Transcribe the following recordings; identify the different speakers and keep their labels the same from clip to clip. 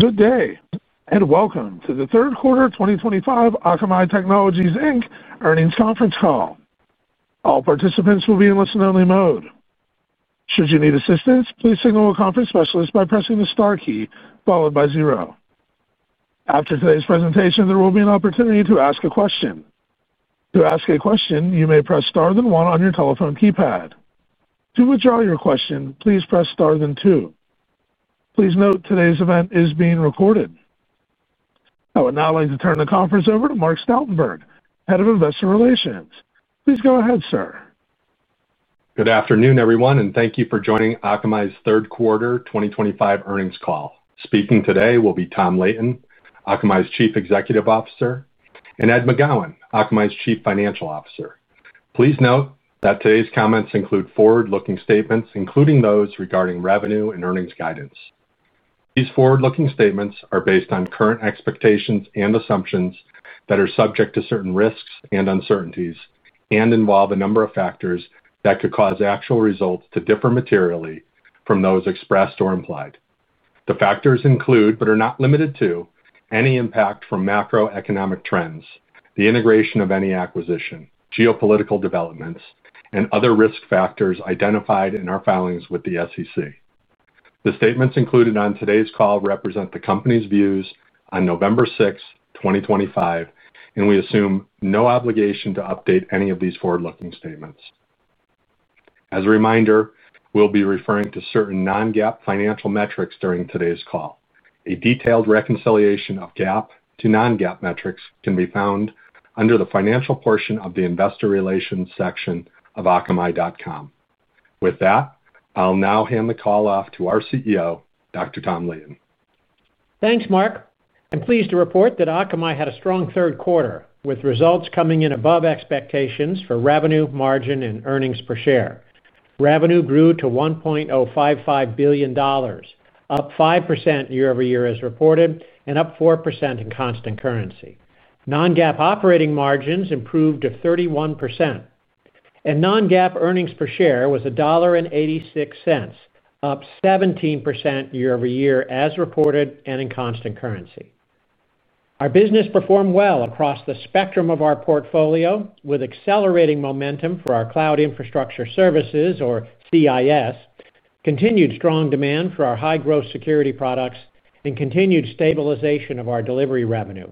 Speaker 1: Good day and welcome to the third quarter 2025 Akamai Technologies, Inc. earnings conference call. All participants will be in listen-only mode. Should you need assistance, please signal a conference specialist by pressing the star key followed by zero. After today's presentation, there will be an opportunity to ask a question. To ask a question, you may press star then one on your telephone keypad. To withdraw your question, please press star then two. Please note today's event is being recorded. I would now like to turn the conference over to Mark Stoutenberg, Head of Investor Relations. Please go ahead, sir.
Speaker 2: Good afternoon, everyone, and thank you for joining Akamai's third quarter 2025 earnings call. Speaking today will be Tom Leighton, Akamai's Chief Executive Officer, and Ed McGowan, Akamai's Chief Financial Officer. Please note that today's comments include forward-looking statements, including those regarding revenue and earnings guidance. These forward-looking statements are based on current expectations and assumptions that are subject to certain risks and uncertainties and involve a number of factors that could cause actual results to differ materially from those expressed or implied. The factors include, but are not limited to, any impact from macroeconomic trends, the integration of any acquisition, geopolitical developments, and other risk factors identified in our filings with the SEC. The statements included on today's call represent the company's views on November 6, 2025, and we assume no obligation to update any of these forward-looking statements. As a reminder, we'll be referring to certain non-GAAP financial metrics during today's call. A detailed reconciliation of GAAP to non-GAAP metrics can be found under the financial portion of the investor relations section of akamai.com. With that, I'll now hand the call off to our CEO, Dr. Tom Leighton.
Speaker 3: Thanks, Mark. I'm pleased to report that Akamai had a strong third quarter with results coming in above expectations for revenue, margin, and earnings per share. Revenue grew to $1.055 billion, up 5% year-over-year as reported, and up 4% in constant currency. Non-GAAP operating margins improved to 31%, and non-GAAP earnings per share was $1.86, up 17% year-over-year as reported and in constant currency. Our business performed well across the spectrum of our portfolio, with accelerating momentum for our cloud infrastructure services, or CIS, continued strong demand for our high-growth security products, and continued stabilization of our delivery revenue.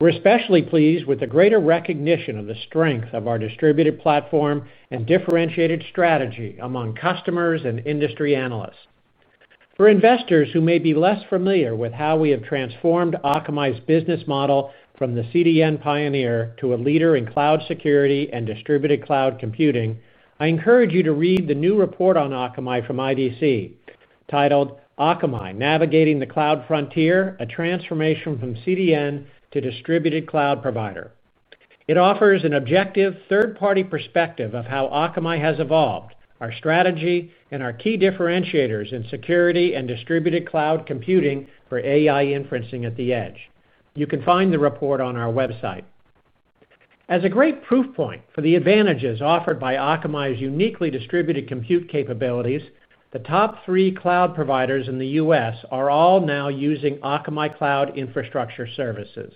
Speaker 3: We're especially pleased with the greater recognition of the strength of our distributed platform and differentiated strategy among customers and industry analysts. For investors who may be less familiar with how we have transformed Akamai's business model from the CDN pioneer to a leader in cloud security and distributed cloud computing, I encourage you to read the new report on Akamai from IDC titled, "Akamai: Navigating the Cloud Frontier, A Transformation from CDN to Distributed Cloud Provider." It offers an objective third-party perspective of how Akamai has evolved, our strategy, and our key differentiators in security and distributed cloud computing for AI inferencing at the edge. You can find the report on our website. As a great proof point for the advantages offered by Akamai's uniquely distributed compute capabilities, the top three cloud providers in the U.S. are all now using Akamai Cloud Infrastructure Services.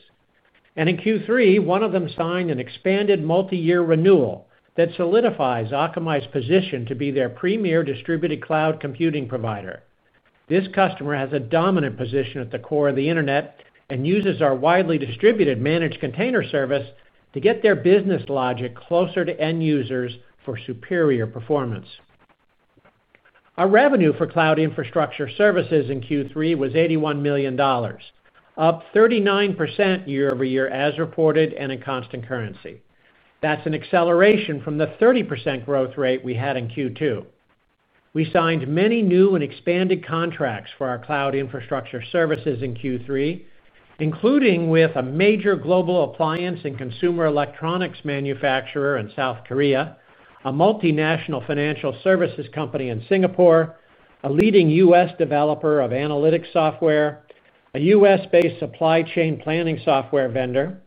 Speaker 3: In Q3, one of them signed an expanded multi-year renewal that solidifies Akamai's position to be their premier distributed cloud computing provider. This customer has a dominant position at the core of the internet and uses our widely distributed Managed Container Service to get their business logic closer to end users for superior performance. Our revenue for Cloud Infrastructure Services in Q3 was $81 million, up 39% year-over-year as reported and in constant currency. That is an acceleration from the 30% growth rate we had in Q2. We signed many new and expanded contracts for our Cloud Infrastructure Services in Q3, including with a major global appliance and consumer electronics manufacturer in South Korea, a multinational financial services company in Singapore, a leading U.S. developer of analytic software, a U.S.-based supply chain planning software vendor,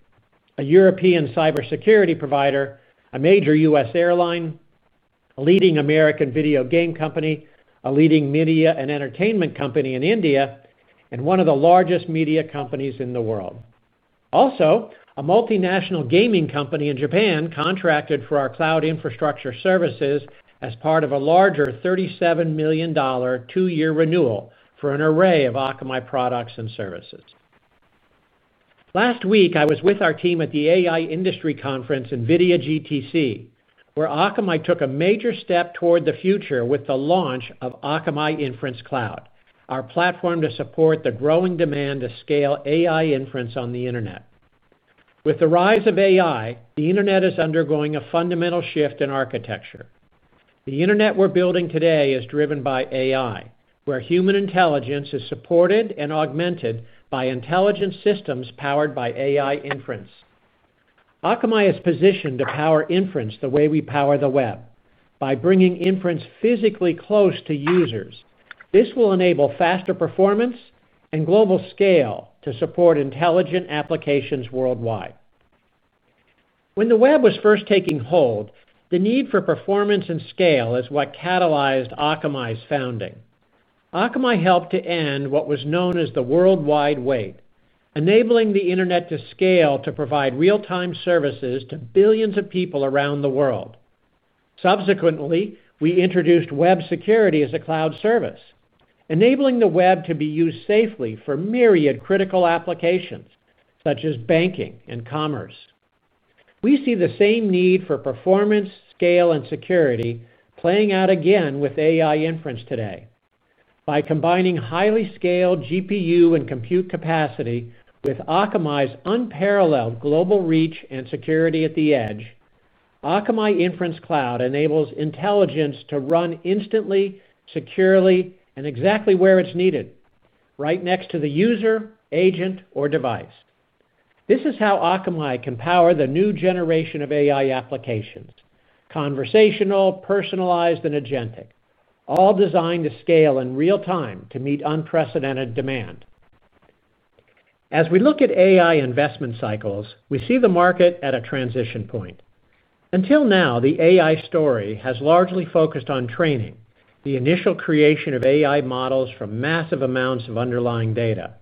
Speaker 3: a European cybersecurity provider, a major U.S. airline, a leading American video game company, a leading media and entertainment company in India, and one of the largest media companies in the world. Also, a multinational gaming company in Japan contracted for our Cloud Infrastructure Services as part of a larger $37 million two-year renewal for an array of Akamai products and services. Last week, I was with our team at the AI Industry Conference in VidyaGTC, where Akamai took a major step toward the future with the launch of Akamai Inference Cloud, our platform to support the growing demand to scale AI inference on the internet. With the rise of AI, the internet is undergoing a fundamental shift in architecture. The internet we're building today is driven by AI, where human intelligence is supported and augmented by intelligence systems powered by AI inference. Akamai is positioned to power inference the way we power the web, by bringing inference physically close to users. This will enable faster performance and global scale to support intelligent applications worldwide. When the web was first taking hold, the need for performance and scale is what catalyzed Akamai's founding. Akamai helped to end what was known as the worldwide wait, enabling the internet to scale to provide real-time services to billions of people around the world. Subsequently, we introduced web security as a cloud service, enabling the web to be used safely for myriad critical applications such as banking and commerce. We see the same need for performance, scale, and security playing out again with AI inference today. By combining highly scaled GPU and compute capacity with Akamai's unparalleled global reach and security at the edge, Akamai Inference Cloud enables intelligence to run instantly, securely, and exactly where it's needed, right next to the user, agent, or device. This is how Akamai can power the new generation of AI applications: conversational, personalized, and agentic, all designed to scale in real time to meet unprecedented demand. As we look at AI investment cycles, we see the market at a transition point. Until now, the AI story has largely focused on training, the initial creation of AI models from massive amounts of underlying data.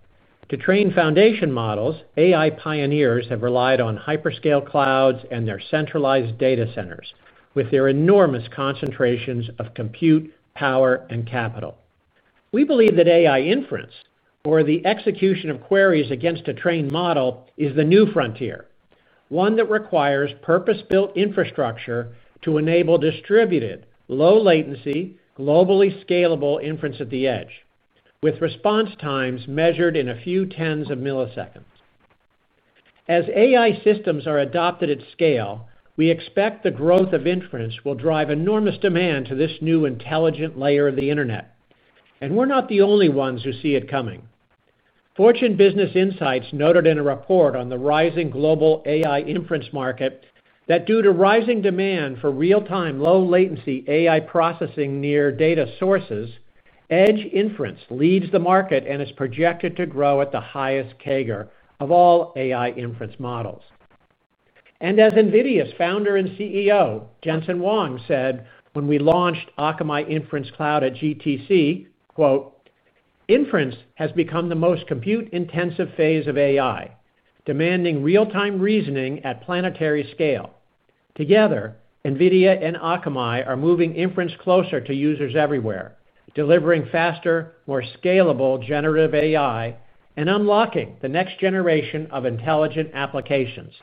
Speaker 3: To train foundation models, AI pioneers have relied on hyperscale clouds and their centralized data centers with their enormous concentrations of compute, power, and capital. We believe that AI inference, or the execution of queries against a trained model, is the new frontier, one that requires purpose-built infrastructure to enable distributed, low-latency, globally scalable inference at the edge, with response times measured in a few tens of milliseconds. As AI systems are adopted at scale, we expect the growth of inference will drive enormous demand to this new intelligent layer of the internet. We are not the only ones who see it coming. Fortune Business Insights noted in a report on the rising global AI inference market that due to rising demand for real-time low-latency AI processing near data sources, edge inference leads the market and is projected to grow at the highest CAGR of all AI inference models. As NVIDIA's founder and CEO, Jensen Huang, said when we launched Akamai Inference Cloud at GTC, quote, "Inference has become the most compute-intensive phase of AI, demanding real-time reasoning at planetary scale." Together, NVIDIA and Akamai are moving inference closer to users everywhere, delivering faster, more scalable generative AI and unlocking the next generation of intelligent applications."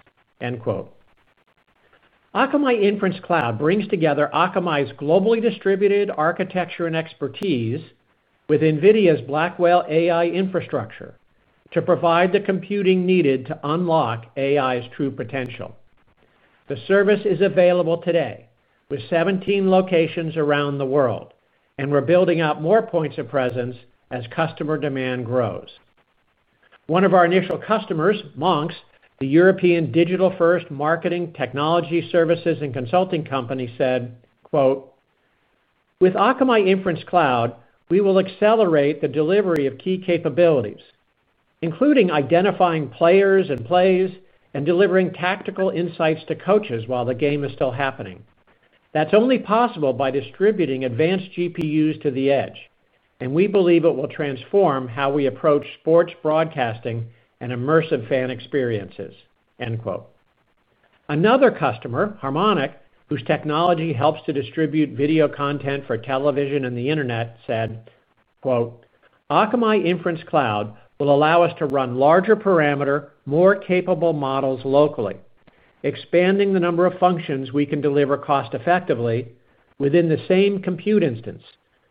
Speaker 3: Akamai Inference Cloud brings together Akamai's globally distributed architecture and expertise with NVIDIA's Blackwell AI infrastructure to provide the computing needed to unlock AI's true potential. The service is available today with 17 locations around the world, and we're building out more points of presence as customer demand grows. One of our initial customers, Monks, the European digital-first marketing technology services and consulting company, said, quote. With Akamai Inference Cloud, we will accelerate the delivery of key capabilities, including identifying players and plays, and delivering tactical insights to coaches while the game is still happening. That is only possible by distributing advanced GPUs to the edge, and we believe it will transform how we approach sports broadcasting and immersive fan experiences." Another customer, Harmonic, whose technology helps to distribute video content for television and the internet, said, quote, "Akamai Inference Cloud will allow us to run larger parameter, more capable models locally, expanding the number of functions we can deliver cost-effectively within the same compute instance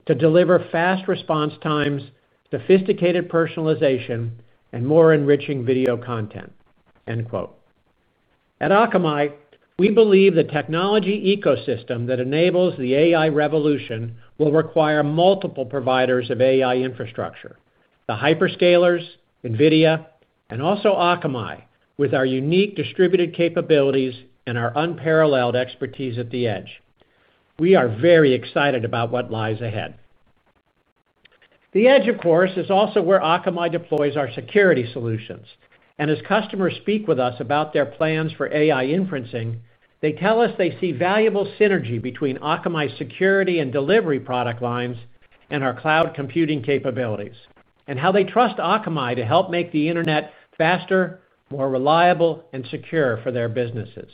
Speaker 3: to deliver fast response times, sophisticated personalization, and more enriching video content." At Akamai, we believe the technology ecosystem that enables the AI revolution will require multiple providers of AI infrastructure: the hyperscalers, NVIDIA, and also Akamai with our unique distributed capabilities and our unparalleled expertise at the edge. We are very excited about what lies ahead. The edge, of course, is also where Akamai deploys our security solutions. As customers speak with us about their plans for AI inferencing, they tell us they see valuable synergy between Akamai's security and delivery product lines and our cloud computing capabilities, and how they trust Akamai to help make the internet faster, more reliable, and secure for their businesses.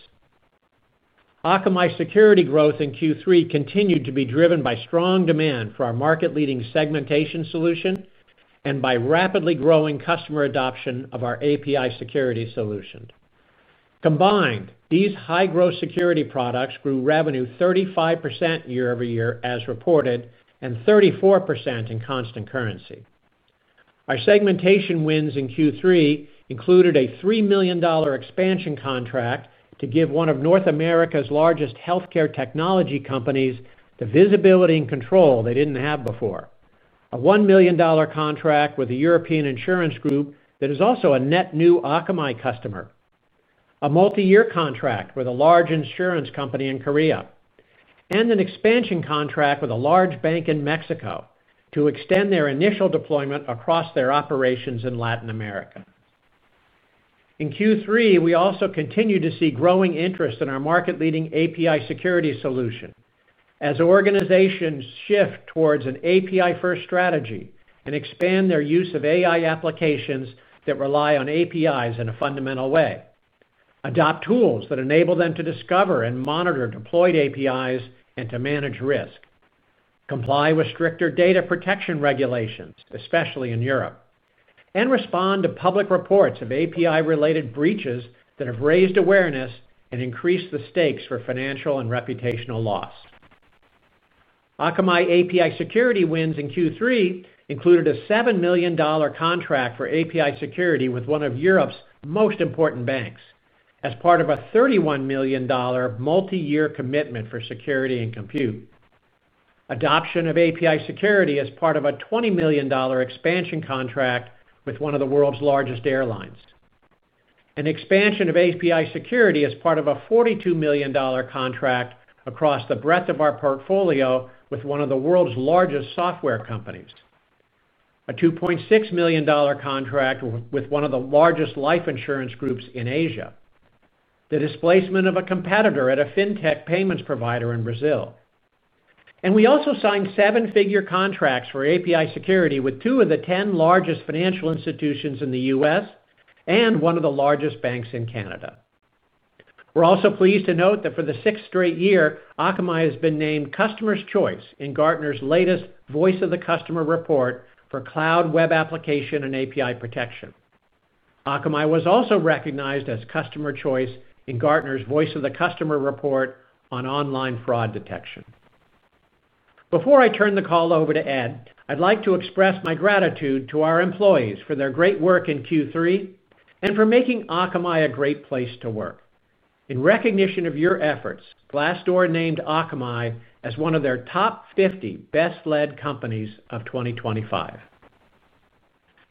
Speaker 3: Akamai's security growth in Q3 continued to be driven by strong demand for our market-leading segmentation solution and by rapidly growing customer adoption of our API Security solution. Combined, these high-growth security products grew revenue 35% year-over-year as reported and 34% in constant currency. Our segmentation wins in Q3 included a $3 million expansion contract to give one of North America's largest healthcare technology companies the visibility and control they didn't have before, a $1 million contract with a European insurance group that is also a net new Akamai customer, a multi-year contract with a large insurance company in Korea, and an expansion contract with a large bank in Mexico to extend their initial deployment across their operations in Latin America. In Q3, we also continue to see growing interest in our market-leading API security solution as organizations shift towards an API-first strategy and expand their use of AI applications that rely on APIs in a fundamental way, adopt tools that enable them to discover and monitor deployed APIs and to manage risk, comply with stricter data protection regulations, especially in Europe, and respond to public reports of API-related breaches that have raised awareness and increased the stakes for financial and reputational loss. Akamai API security wins in Q3 included a $7 million contract for API security with one of Europe's most important banks as part of a $31 million multi-year commitment for security and compute. Adoption of API security as part of a $20 million expansion contract with one of the world's largest airlines. An expansion of API Security as part of a $42 million contract across the breadth of our portfolio with one of the world's largest software companies. A $2.6 million contract with one of the largest life insurance groups in Asia. The displacement of a competitor at a fintech payments provider in Brazil. We also signed seven-figure contracts for API Security with two of the 10 largest financial institutions in the US and one of the largest banks in Canada. We are also pleased to note that for the sixth straight year, Akamai has been named Customer's Choice in Gartner's latest Voice of the Customer report for cloud, web application, and API protection. Akamai was also recognized as Customer's Choice in Gartner's Voice of the Customer report on online fraud detection. Before I turn the call over to Ed, I'd like to express my gratitude to our employees for their great work in Q3 and for making Akamai a great place to work. In recognition of your efforts, Glassdoor named Akamai as one of their top 50 best-led companies of 2025.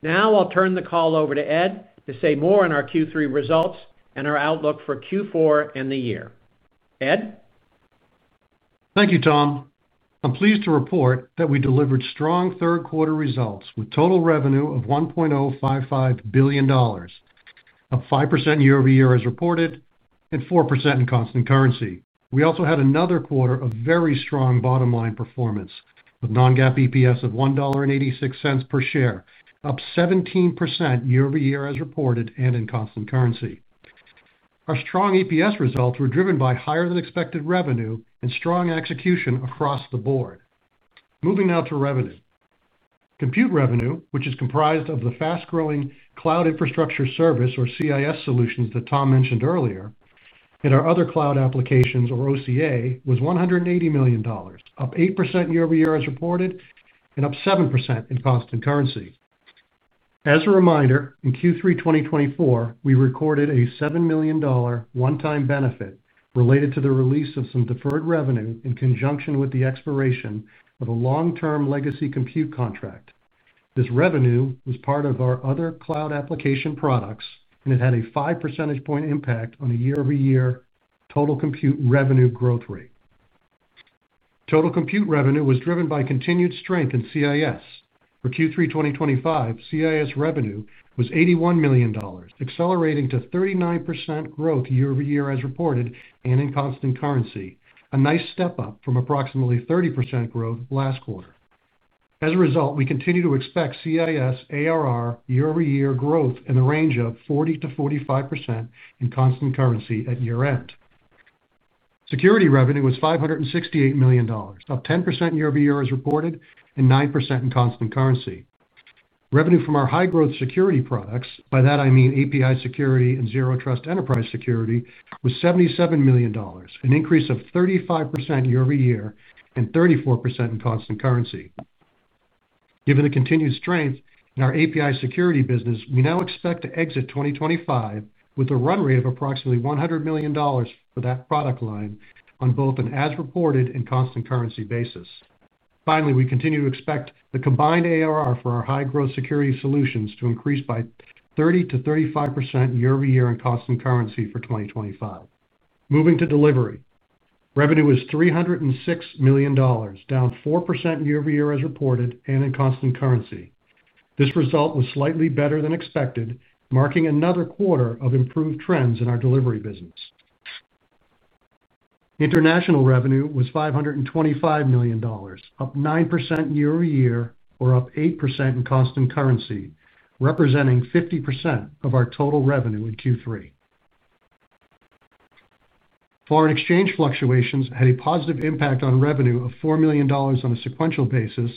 Speaker 3: Now I'll turn the call over to Ed to say more on our Q3 results and our outlook for Q4 and the year. Ed?
Speaker 4: Thank you, Tom. I'm pleased to report that we delivered strong third-quarter results with total revenue of $1.055 billion, up 5% year over year as reported and 4% in constant currency. We also had another quarter of very strong bottom-line performance with non-GAAP EPS of $1.86 per share, up 17% year-over-year as reported and in constant currency. Our strong EPS results were driven by higher-than-expected revenue and strong execution across the board. Moving now to revenue. Compute revenue, which is comprised of the fast-growing cloud infrastructure service or CIS solutions that Tom mentioned earlier, and our other cloud applications or OCA, was $180 million, up 8% year-over-year as reported, and up 7% in constant currency. As a reminder, in Q3 2024, we recorded a $7 million one-time benefit related to the release of some deferred revenue in conjunction with the expiration of a long-term legacy compute contract. This revenue was part of our other cloud application products, and it had a 5 percentage point impact on the year-over-year total compute revenue growth rate. Total compute revenue was driven by continued strength in CIS. For Q3 2025, CIS revenue was $81 million, accelerating to 39% growth year over year as reported and in constant currency, a nice step up from approximately 30% growth last quarter. As a result, we continue to expect CIS ARR year-over-year growth in the range of 40%-45% in constant currency at year-end. Security revenue was $568 million, up 10% year-over-year as reported and 9% in constant currency. Revenue from our high-growth security products, by that I mean API Security and Zero Trust Enterprise Security, was $77 million, an increase of 35% year over year and 34% in constant currency. Given the continued strength in our API Security business, we now expect to exit 2025 with a run rate of approximately $100 million for that product line on both an as-reported and constant-currency basis. Finally, we continue to expect the combined ARR for our high-growth security solutions to increase by 30%-35% year-over-year in constant currency for 2025. Moving to delivery, revenue was $306 million, down 4% year-over-year as reported and in constant currency. This result was slightly better than expected, marking another quarter of improved trends in our delivery business. International revenue was $525 million, up 9% year-over-year, or up 8% in constant currency, representing 50% of our total revenue in Q3. Foreign exchange fluctuations had a positive impact on revenue of $4 million on a sequential basis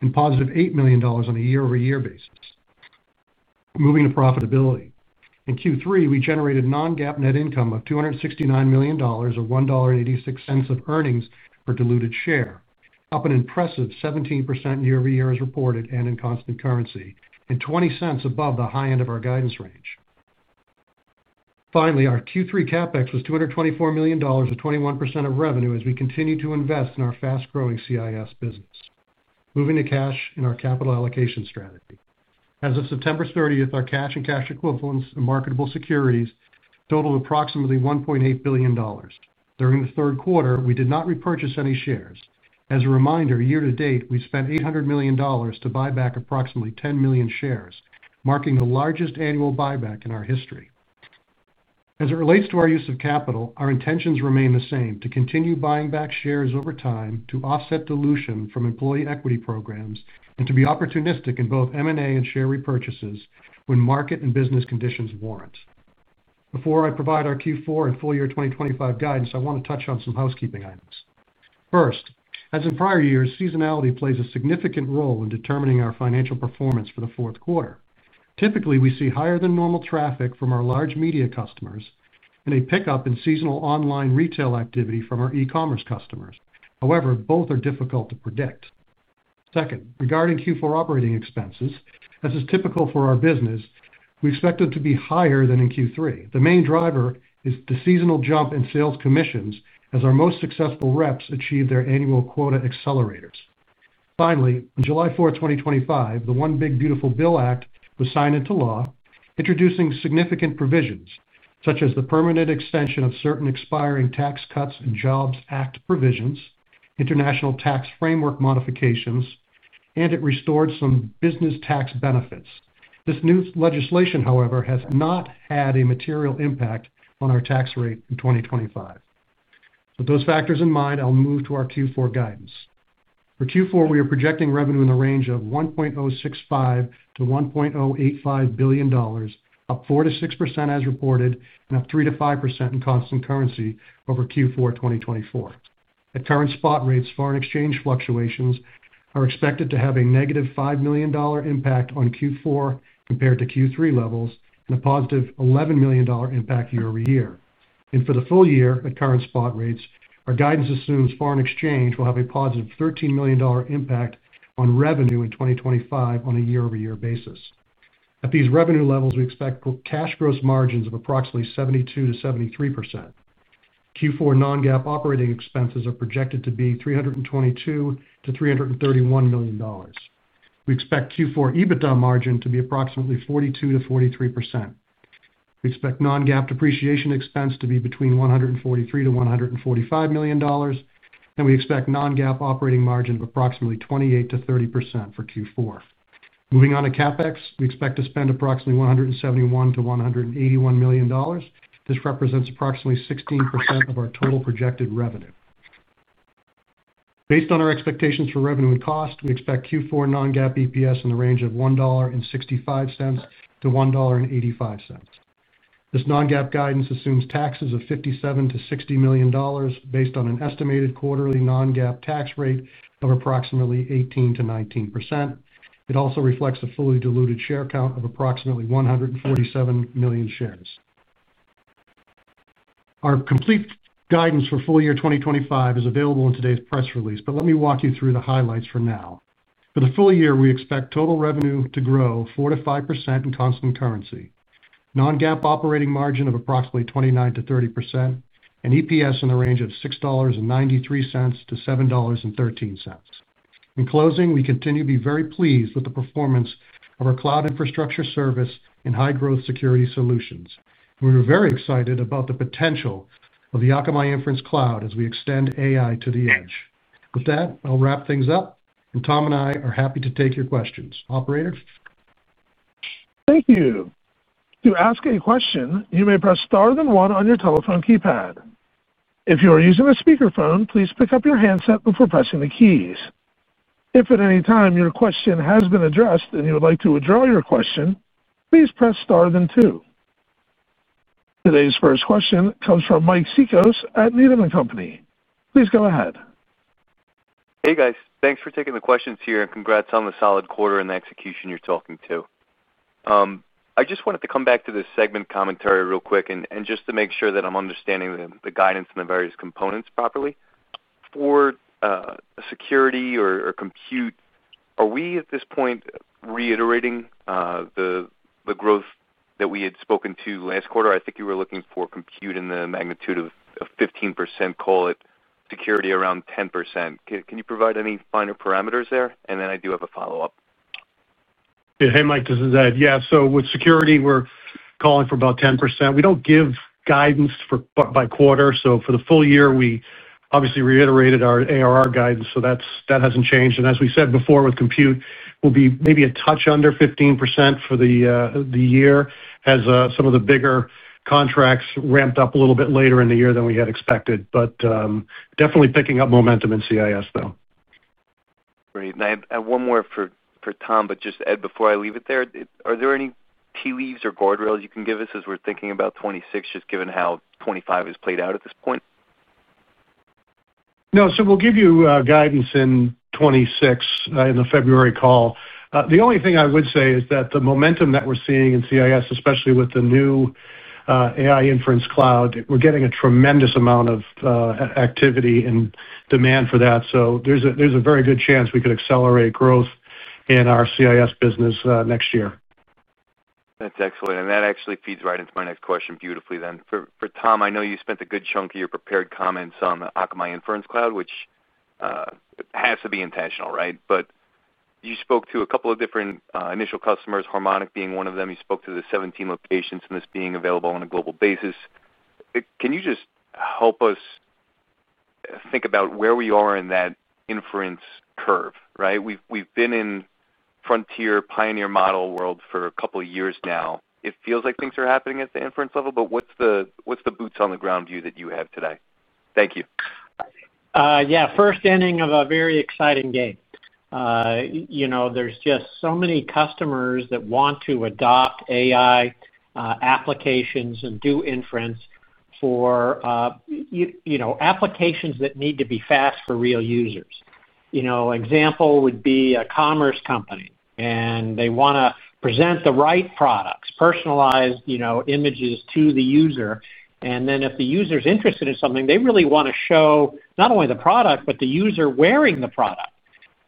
Speaker 4: and positive $8 million on a year-over-year basis. Moving to profitability. In Q3, we generated non-GAAP net income of $269 million, or $1.86 of earnings per diluted share, up an impressive 17% year-over-year as reported and in constant currency, and $0.20 above the high end of our guidance range. Finally, our Q3 CapEx was $224 million, or 21% of revenue, as we continue to invest in our fast-growing CIS business. Moving to cash in our capital allocation strategy. As of September 30, our cash and cash equivalents and marketable securities totaled approximately $1.8 billion. During the third quarter, we did not repurchase any shares. As a reminder, year to date, we spent $800 million to buy back approximately 10 million shares, marking the largest annual buyback in our history. As it relates to our use of capital, our intentions remain the same: to continue buying back shares over time to offset dilution from employee equity programs and to be opportunistic in both M&A and share repurchases when market and business conditions warrant. Before I provide our Q4 and full-year 2025 guidance, I want to touch on some housekeeping items. First, as in prior years, seasonality plays a significant role in determining our financial performance for the fourth quarter. Typically, we see higher-than-normal traffic from our large media customers and a pickup in seasonal online retail activity from our e-commerce customers. However, both are difficult to predict. Second, regarding Q4 operating expenses, as is typical for our business, we expect them to be higher than in Q3. The main driver is the seasonal jump in sales commissions as our most successful reps achieve their annual quota accelerators. Finally, on July 4th, 2025, the One Big Beautiful Bill Act was signed into law, introducing significant provisions such as the permanent extension of certain expiring tax cuts and Jobs Act provisions, international tax framework modifications, and it restored some business tax benefits. This new legislation, however, has not had a material impact on our tax rate in 2025. With those factors in mind, I'll move to our Q4 guidance. For Q4, we are projecting revenue in the range of $1.065 billion-$1.085 billion, up 4%-6% as reported, and up 3%-5% in constant currency over Q4 2024. At current spot rates, foreign exchange fluctuations are expected to have a negative $5 million impact on Q4 compared to Q3 levels and a positive $11 million impact year-over-year. For the full year, at current spot rates, our guidance assumes foreign exchange will have a positive $13 million impact on revenue in 2025 on a year-over-year basis. At these revenue levels, we expect cash gross margins of approximately 72%-73%. Q4 non-GAAP operating expenses are projected to be $322 million-$331 million. We expect Q4 EBITDA margin to be approximately 42%-43%. We expect non-GAAP depreciation expense to be between $143 million-$145 million, and we expect non-GAAP operating margin of approximately 28%-30% for Q4. Moving on to CapEx, we expect to spend approximately $171 million-$181 million. This represents approximately 16% of our total projected revenue. Based on our expectations for revenue and cost, we expect Q4 non-GAAP EPS in the range of $1.65-$1.85. This non-GAAP guidance assumes taxes of $57 million-$60 million based on an estimated quarterly non-GAAP tax rate of approximately 18%-19%. It also reflects a fully diluted share count of approximately 147 million shares. Our complete guidance for full year 2025 is available in today's press release, but let me walk you through the highlights for now. For the full year, we expect total revenue to grow 4%-5% in constant currency, non-GAAP operating margin of approximately 29%-30%, and EPS in the range of $6.93-$7.13. In closing, we continue to be very pleased with the performance of our cloud infrastructure service and high-growth security solutions. We were very excited about the potential of the Akamai Inference Cloud as we extend AI to the edge. With that, I'll wrap things up, and Tom and I are happy to take your questions. Operator?
Speaker 1: Thank you. To ask a question, you may press star then one on your telephone keypad. If you are using a speakerphone, please pick up your handset before pressing the keys. If at any time your question has been addressed and you would like to withdraw your question, please press star then two. Today's first question comes from Mike Siccos at Needham & Company. Please go ahead.
Speaker 5: Hey, guys. Thanks for taking the questions here and congrats on the solid quarter and the execution you're talking to. I just wanted to come back to this segment commentary real quick and just to make sure that I'm understanding the guidance and the various components properly. For security or compute, are we at this point reiterating the growth that we had spoken to last quarter? I think you were looking for compute in the magnitude of 15%, call it security around 10%. Can you provide any finer parameters there? I do have a follow-up.
Speaker 4: Hey, Mike, this is Ed. Yeah, so with security, we're calling for about 10%. We don't give guidance by quarter. For the full year, we obviously reiterated our ARR guidance, so that hasn't changed. As we said before with compute, we'll be maybe a touch under 15% for the year as some of the bigger contracts ramped up a little bit later in the year than we had expected, but definitely picking up momentum in CIS, though.
Speaker 5: Great. One more for Tom, but just Ed, before I leave it there, are there any tea leaves or guardrails you can give us as we are thinking about 2026, just given how 2025 has played out at this point?
Speaker 4: No, so we'll give you guidance in 2026 in the February call. The only thing I would say is that the momentum that we're seeing in CIS, especially with the new AI Inference Cloud, we're getting a tremendous amount of activity and demand for that. There is a very good chance we could accelerate growth in our CIS business next year.
Speaker 5: That's excellent. That actually feeds right into my next question beautifully then. For Tom, I know you spent a good chunk of your prepared comments on the Akamai Inference Cloud, which has to be intentional, right? You spoke to a couple of different initial customers, Harmonic being one of them. You spoke to the 17 locations and this being available on a global basis. Can you just help us think about where we are in that inference curve, right? We've been in frontier, pioneer model world for a couple of years now. It feels like things are happening at the inference level, but what's the boots-on-the-ground view that you have today? Thank you.
Speaker 3: Yeah, first inning of a very exciting game. There's just so many customers that want to adopt AI applications and do inference for. Applications that need to be fast for real users. An example would be a commerce company, and they want to present the right products, personalized images to the user. If the user's interested in something, they really want to show not only the product, but the user wearing the product.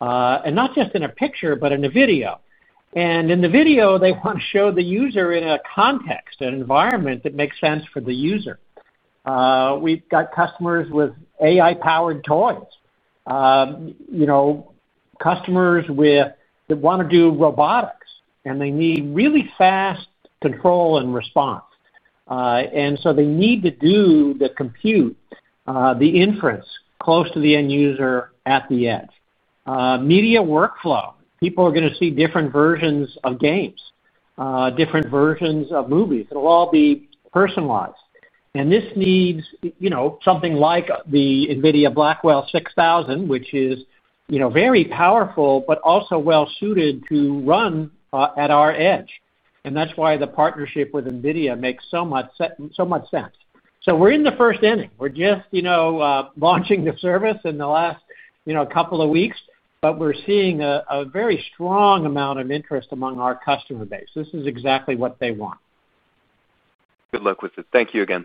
Speaker 3: Not just in a picture, but in a video. In the video, they want to show the user in a context, an environment that makes sense for the user. We've got customers with AI-powered toys. Customers that want to do robotics, and they need really fast control and response. They need to do the compute, the inference close to the end user at the edge. Media workflow. People are going to see different versions of games, different versions of movies. It will all be personalized. This needs something like the NVIDIA Blackwell 6000, which is very powerful, but also well-suited to run at our edge. That is why the partnership with NVIDIA makes so much sense. We are in the first inning. We are just launching the service in the last couple of weeks, but we are seeing a very strong amount of interest among our customer base. This is exactly what they want.
Speaker 5: Good luck with it. Thank you again.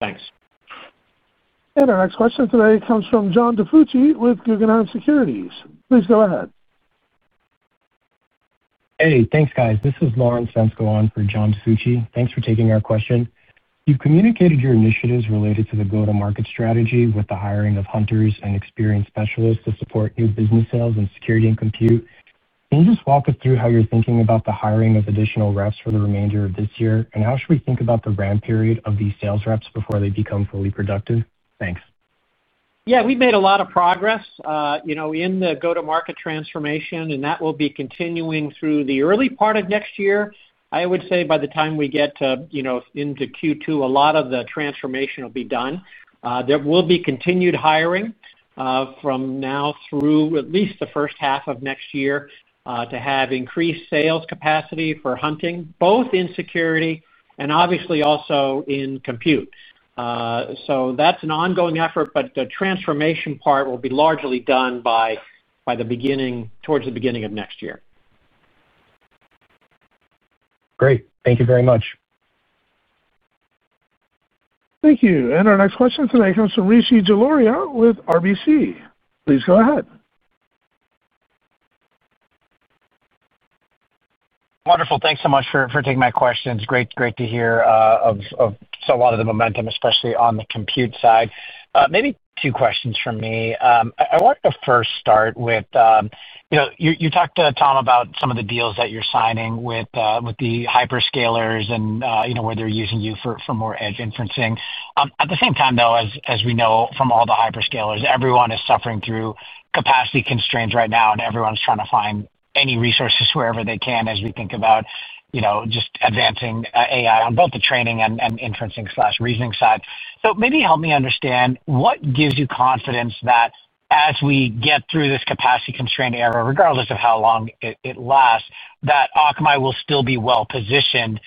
Speaker 4: Thanks.
Speaker 1: Our next question today comes from John Dafoochie with Guggenheim Securities. Please go ahead.
Speaker 6: Hey, thanks, guys. This is Lauren Stensgoen for John Dafoochie. Thanks for taking our question. You have communicated your initiatives related to the go-to-market strategy with the hiring of hunters and experienced specialists to support new business sales and security and compute. Can you just walk us through how you are thinking about the hiring of additional reps for the remainder of this year? How should we think about the ramp period of these sales reps before they become fully productive? Thanks.
Speaker 3: Yeah, we've made a lot of progress in the go-to-market transformation, and that will be continuing through the early part of next year. I would say by the time we get into Q2, a lot of the transformation will be done. There will be continued hiring from now through at least the first half of next year to have increased sales capacity for hunting, both in security and obviously also in compute. That is an ongoing effort, but the transformation part will be largely done by the beginning, towards the beginning of next year.
Speaker 6: Great. Thank you very much.
Speaker 1: Thank you. Our next question today comes from Rishi Jaluria with RBC. Please go ahead.
Speaker 7: Wonderful. Thanks so much for taking my questions. Great, great to hear of a lot of the momentum, especially on the compute side. Maybe two questions from me. I want to first start with, you talked, Tom, about some of the deals that you're signing with the hyperscalers and where they're using you for more edge inferencing. At the same time, though, as we know from all the hyperscalers, everyone is suffering through capacity constraints right now, and everyone's trying to find any resources wherever they can as we think about just advancing AI on both the training and inferencing/reasoning side. Maybe help me understand what gives you confidence that as we get through this capacity constraint era, regardless of how long it lasts, that Akamai will still be well-positioned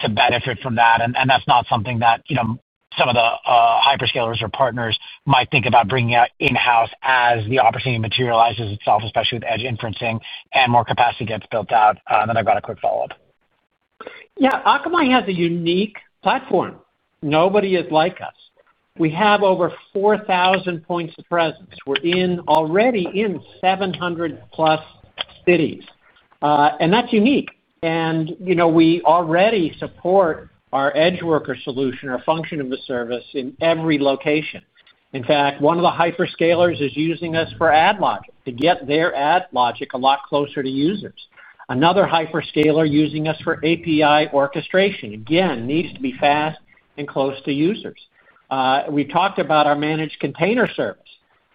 Speaker 7: to benefit from that? That is not something that some of the hyperscalers or partners might think about bringing out in-house as the opportunity materializes itself, especially with edge inferencing and more capacity gets built out. I have a quick follow-up. Yeah, Akamai has a unique platform. Nobody is like us. We have over 4,000 points of presence. We are already in 700-plus cities. That is unique. We already support our edge worker solution, our function of the service in every location. In fact, one of the hyperscalers is using us for ad logic to get their ad logic a lot closer to users. Another hyperscaler is using us for API orchestration. Again, needs to be fast and close to users. We have talked about our managed container service.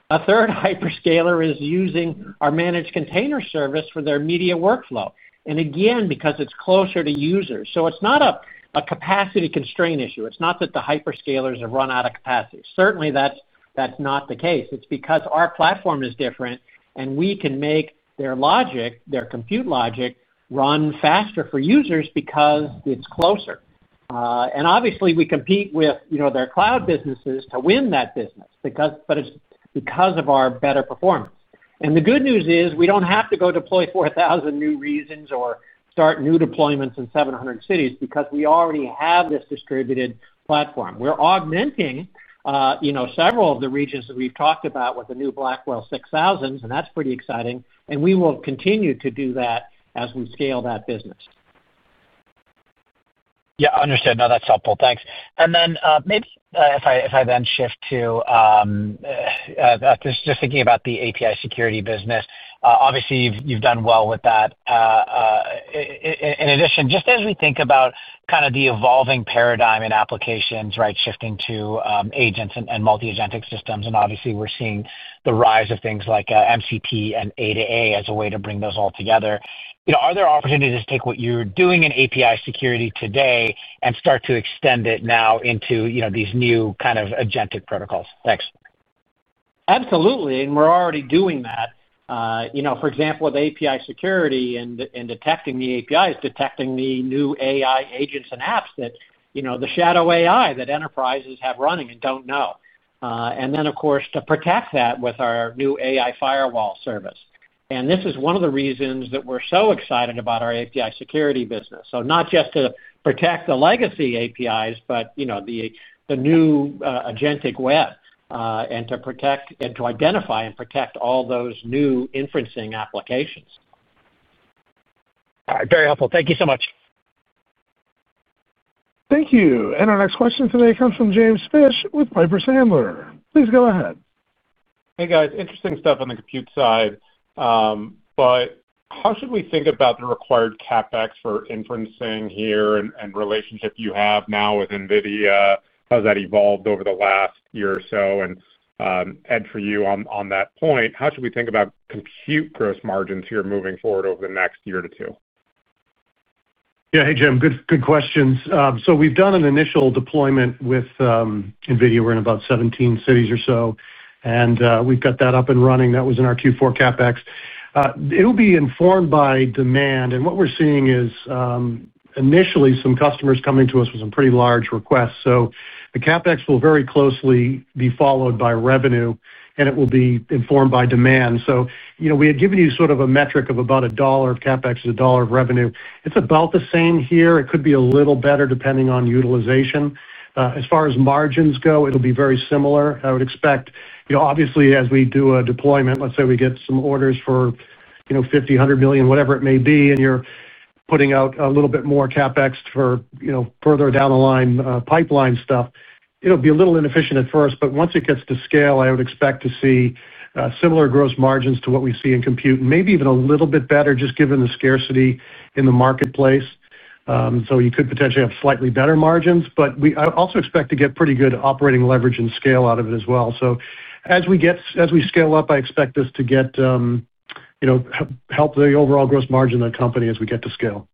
Speaker 7: A third hyperscaler is using our managed container service for their media workflow. Again, because it is closer to users. It is not a capacity constraint issue. It is not that the hyperscalers have run out of capacity. Certainly, that is not the case. It is because our platform is different, and we can make their logic, their compute logic, run faster for users because it is closer. Obviously, we compete with their cloud businesses to win that business, but it is because of our better performance. The good news is we do not have to go deploy 4,000 new regions or start new deployments in 700 cities because we already have this distributed platform. We are augmenting several of the regions that we have talked about with the new Blackwell 6000s, and that is pretty exciting. We will continue to do that as we scale that business. Yeah, understood. No, that's helpful. Thanks. Maybe if I then shift to just thinking about the API Security business, obviously you've done well with that. In addition, just as we think about kind of the evolving paradigm in applications, right, shifting to agents and multi-agentic systems, and obviously we're seeing the rise of things like MCP and A2A as a way to bring those all together, are there opportunities to take what you're doing in API Security today and start to extend it now into these new kind of agentic protocols? Thanks.
Speaker 3: Absolutely. We are already doing that. For example, with API Security and detecting the APIs, detecting the new AI agents and apps, the shadow AI that enterprises have running and do not know. Of course, to protect that with our new AI Firewall service. This is one of the reasons that we are so excited about our API Security business. Not just to protect the legacy APIs, but the new agentic web. To identify and protect all those new inferencing applications.
Speaker 7: Very helpful. Thank you so much.
Speaker 1: Thank you. Our next question today comes from James Fish with Piper Sandler. Please go ahead.
Speaker 8: Hey, guys. Interesting stuff on the compute side. How should we think about the required CapEx for inferencing here and the relationship you have now with NVIDIA? How has that evolved over the last year or so? Ed, for you on that point, how should we think about compute gross margins here moving forward over the next year or two?
Speaker 4: Yeah, hey, Jim, good questions. We've done an initial deployment with NVIDIA. We're in about 17 cities or so, and we've got that up and running. That was in our Q4 CapEx. It'll be informed by demand. What we're seeing is initially some customers coming to us with some pretty large requests. The CapEx will very closely be followed by revenue, and it will be informed by demand. We had given you sort of a metric of about a dollar of CapEx is a dollar of revenue. It's about the same here. It could be a little better depending on utilization. As far as margins go, it'll be very similar. I would expect, obviously, as we do a deployment, let's say we get some orders for. million, $100 million, whatever it may be, and you're putting out a little bit more CapEx for further down the line pipeline stuff, it'll be a little inefficient at first. Once it gets to scale, I would expect to see similar gross margins to what we see in compute, and maybe even a little bit better just given the scarcity in the marketplace. You could potentially have slightly better margins, but I also expect to get pretty good operating leverage and scale out of it as well. As we scale up, I expect this to help the overall gross margin of the company as we get to scale.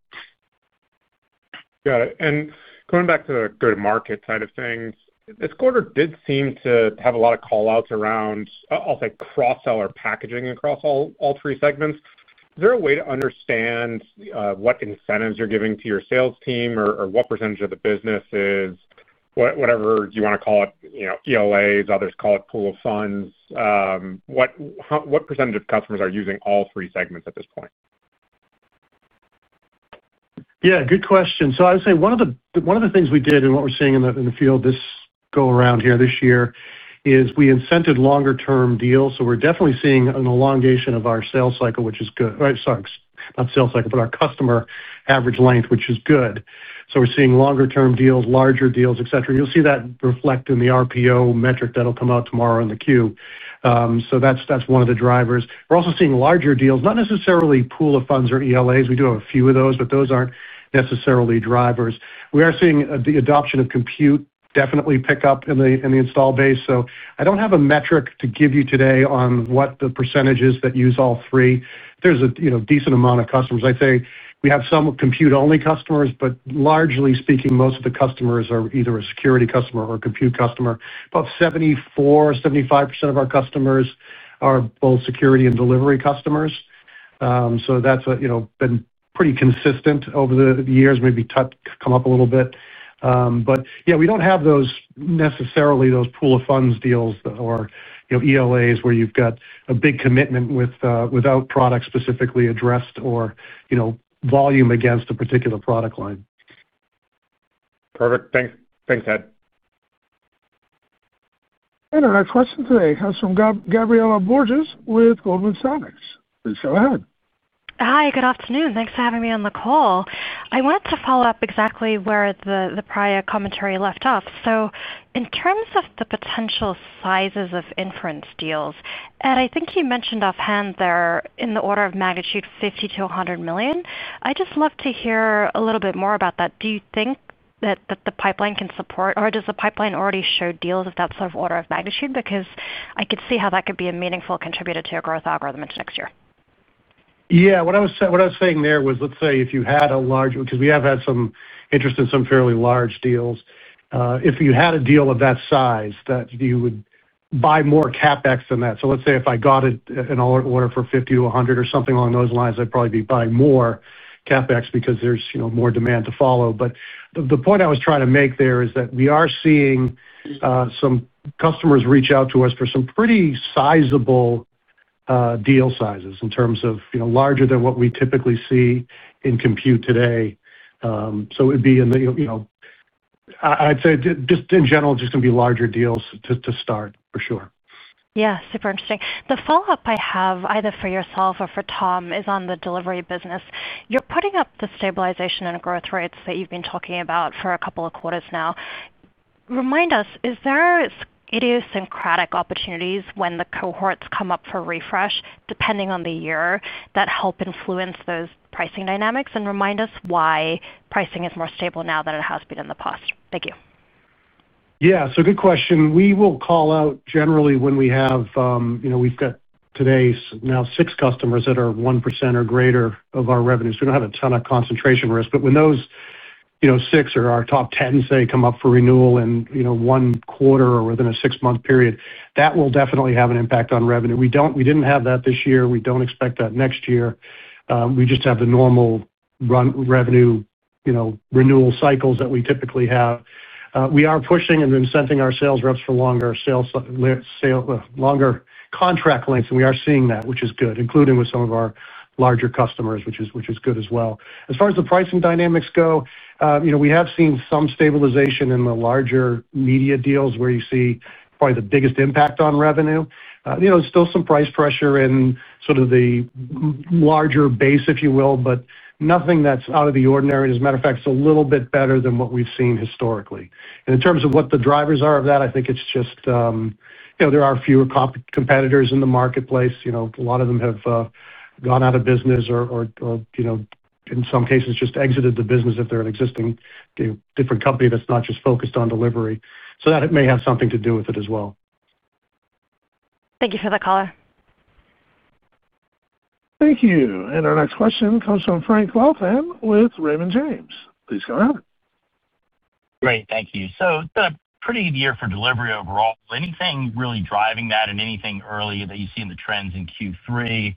Speaker 8: Got it. Going back to the go-to-market side of things, this quarter did seem to have a lot of callouts around, I'll say, cross-seller packaging across all three segments. Is there a way to understand what incentives you're giving to your sales team or what percentage of the business is, whatever you want to call it, ELAs, others call it pool of funds? What percentage of customers are using all three segments at this point?
Speaker 4: Yeah, good question. I would say one of the things we did and what we're seeing in the field this go around here this year is we incented longer-term deals. We're definitely seeing an elongation of our customer average length, which is good. We're seeing longer-term deals, larger deals, etc. You'll see that reflect in the RPO metric that'll come out tomorrow in the queue. That's one of the drivers. We're also seeing larger deals, not necessarily pool of funds or ELAs. We do have a few of those, but those aren't necessarily drivers. We are seeing the adoption of compute definitely pick up in the install base. I don't have a metric to give you today on what the percentage is that use all three. There's a decent amount of customers. I'd say we have some compute-only customers, but largely speaking, most of the customers are either a security customer or a compute customer. About 74%-75% of our customers are both security and delivery customers. That has been pretty consistent over the years, maybe come up a little bit. Yeah, we do not have necessarily those pool of funds deals or ELAs where you have got a big commitment without products specifically addressed or volume against a particular product line.
Speaker 8: Perfect. Thanks, Ed.
Speaker 1: Our next question today comes from Gabriela Borges with Goldman Sachs. Please go ahead.
Speaker 9: Hi, good afternoon. Thanks for having me on the call. I wanted to follow up exactly where the prior commentary left off. In terms of the potential sizes of inference deals, Ed, I think you mentioned offhand they're in the order of magnitude $50 million-$100 million. I'd just love to hear a little bit more about that. Do you think that the pipeline can support, or does the pipeline already show deals of that sort of order of magnitude? I could see how that could be a meaningful contributor to your growth algorithm into next year.
Speaker 4: Yeah, what I was saying there was, let's say if you had a large, because we have had some interest in some fairly large deals, if you had a deal of that size, that you would buy more CapEx than that. Let's say if I got an order for 50-100 or something along those lines, I'd probably be buying more CapEx because there's more demand to follow. The point I was trying to make there is that we are seeing some customers reach out to us for some pretty sizable deal sizes in terms of larger than what we typically see in compute today. It would be in the, I'd say just in general, just going to be larger deals to start, for sure.
Speaker 9: Yeah, super interesting. The follow-up I have either for yourself or for Tom is on the delivery business. You're putting up the stabilization and growth rates that you've been talking about for a couple of quarters now. Remind us, is there idiosyncratic opportunities when the cohorts come up for refresh, depending on the year, that help influence those pricing dynamics? Remind us why pricing is more stable now than it has been in the past. Thank you.
Speaker 4: Yeah, so good question. We will call out generally when we have, we've got today now six customers that are 1% or greater of our revenue. We do not have a ton of concentration risk. When those six or our top 10, say, come up for renewal in one quarter or within a six-month period, that will definitely have an impact on revenue. We did not have that this year. We do not expect that next year. We just have the normal revenue renewal cycles that we typically have. We are pushing and incenting our sales reps for longer contract lengths, and we are seeing that, which is good, including with some of our larger customers, which is good as well. As far as the pricing dynamics go, we have seen some stabilization in the larger media deals where you see probably the biggest impact on revenue. There's still some price pressure in sort of the larger base, if you will, but nothing that's out of the ordinary. As a matter of fact, it's a little bit better than what we've seen historically. In terms of what the drivers are of that, I think it's just there are fewer competitors in the marketplace. A lot of them have gone out of business or in some cases just exited the business if they're an existing different company that's not just focused on delivery. That may have something to do with it as well.
Speaker 9: Thank you for the call.
Speaker 1: Thank you. Our next question comes from Frank Louthan with Raymond James. Please go ahead.
Speaker 10: Great. Thank you. It's been a pretty good year for delivery overall. Anything really driving that, and anything early that you see in the trends in Q3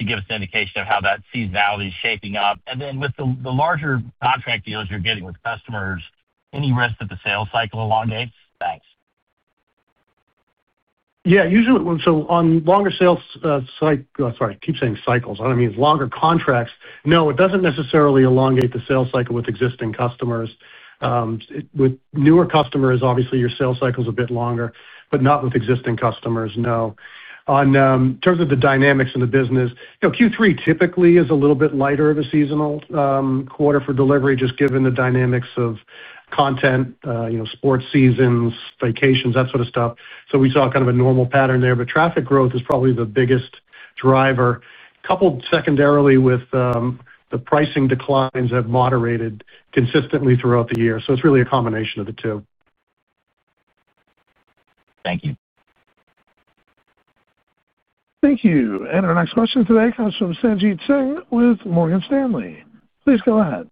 Speaker 10: to give us an indication of how that seasonality is shaping up? With the larger contract deals you're getting with customers, any risk that the sales cycle elongates? Thanks.
Speaker 4: Yeah. On longer sales cycle, sorry, I keep saying cycles. I do not mean longer contracts. No, it does not necessarily elongate the sales cycle with existing customers. With newer customers, obviously, your sales cycle is a bit longer, but not with existing customers, no. In terms of the dynamics in the business, Q3 typically is a little bit lighter of a seasonal quarter for delivery, just given the dynamics of content, sports seasons, vacations, that sort of stuff. We saw kind of a normal pattern there. Traffic growth is probably the biggest driver, coupled secondarily with the pricing declines have moderated consistently throughout the year. It is really a combination of the two.
Speaker 10: Thank you.
Speaker 1: Thank you. Our next question today comes from Sanjit Singh with Morgan Stanley. Please go ahead.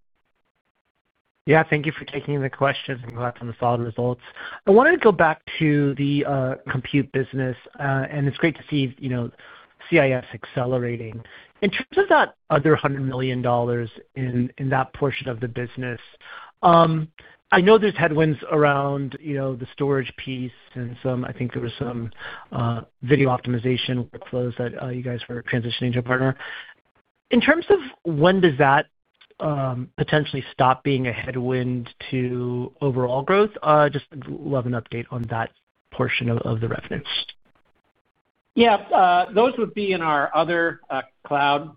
Speaker 11: Yeah, thank you for taking the questions and going through the solid results. I wanted to go back to the compute business, and it's great to see CIS accelerating. In terms of that other $100 million in that portion of the business, I know there's headwinds around the storage piece, and I think there was some video optimization workflows that you guys were transitioning to a partner. In terms of when does that potentially stop being a headwind to overall growth? Just love an update on that portion of the revenues.
Speaker 3: Yeah. Those would be in our other cloud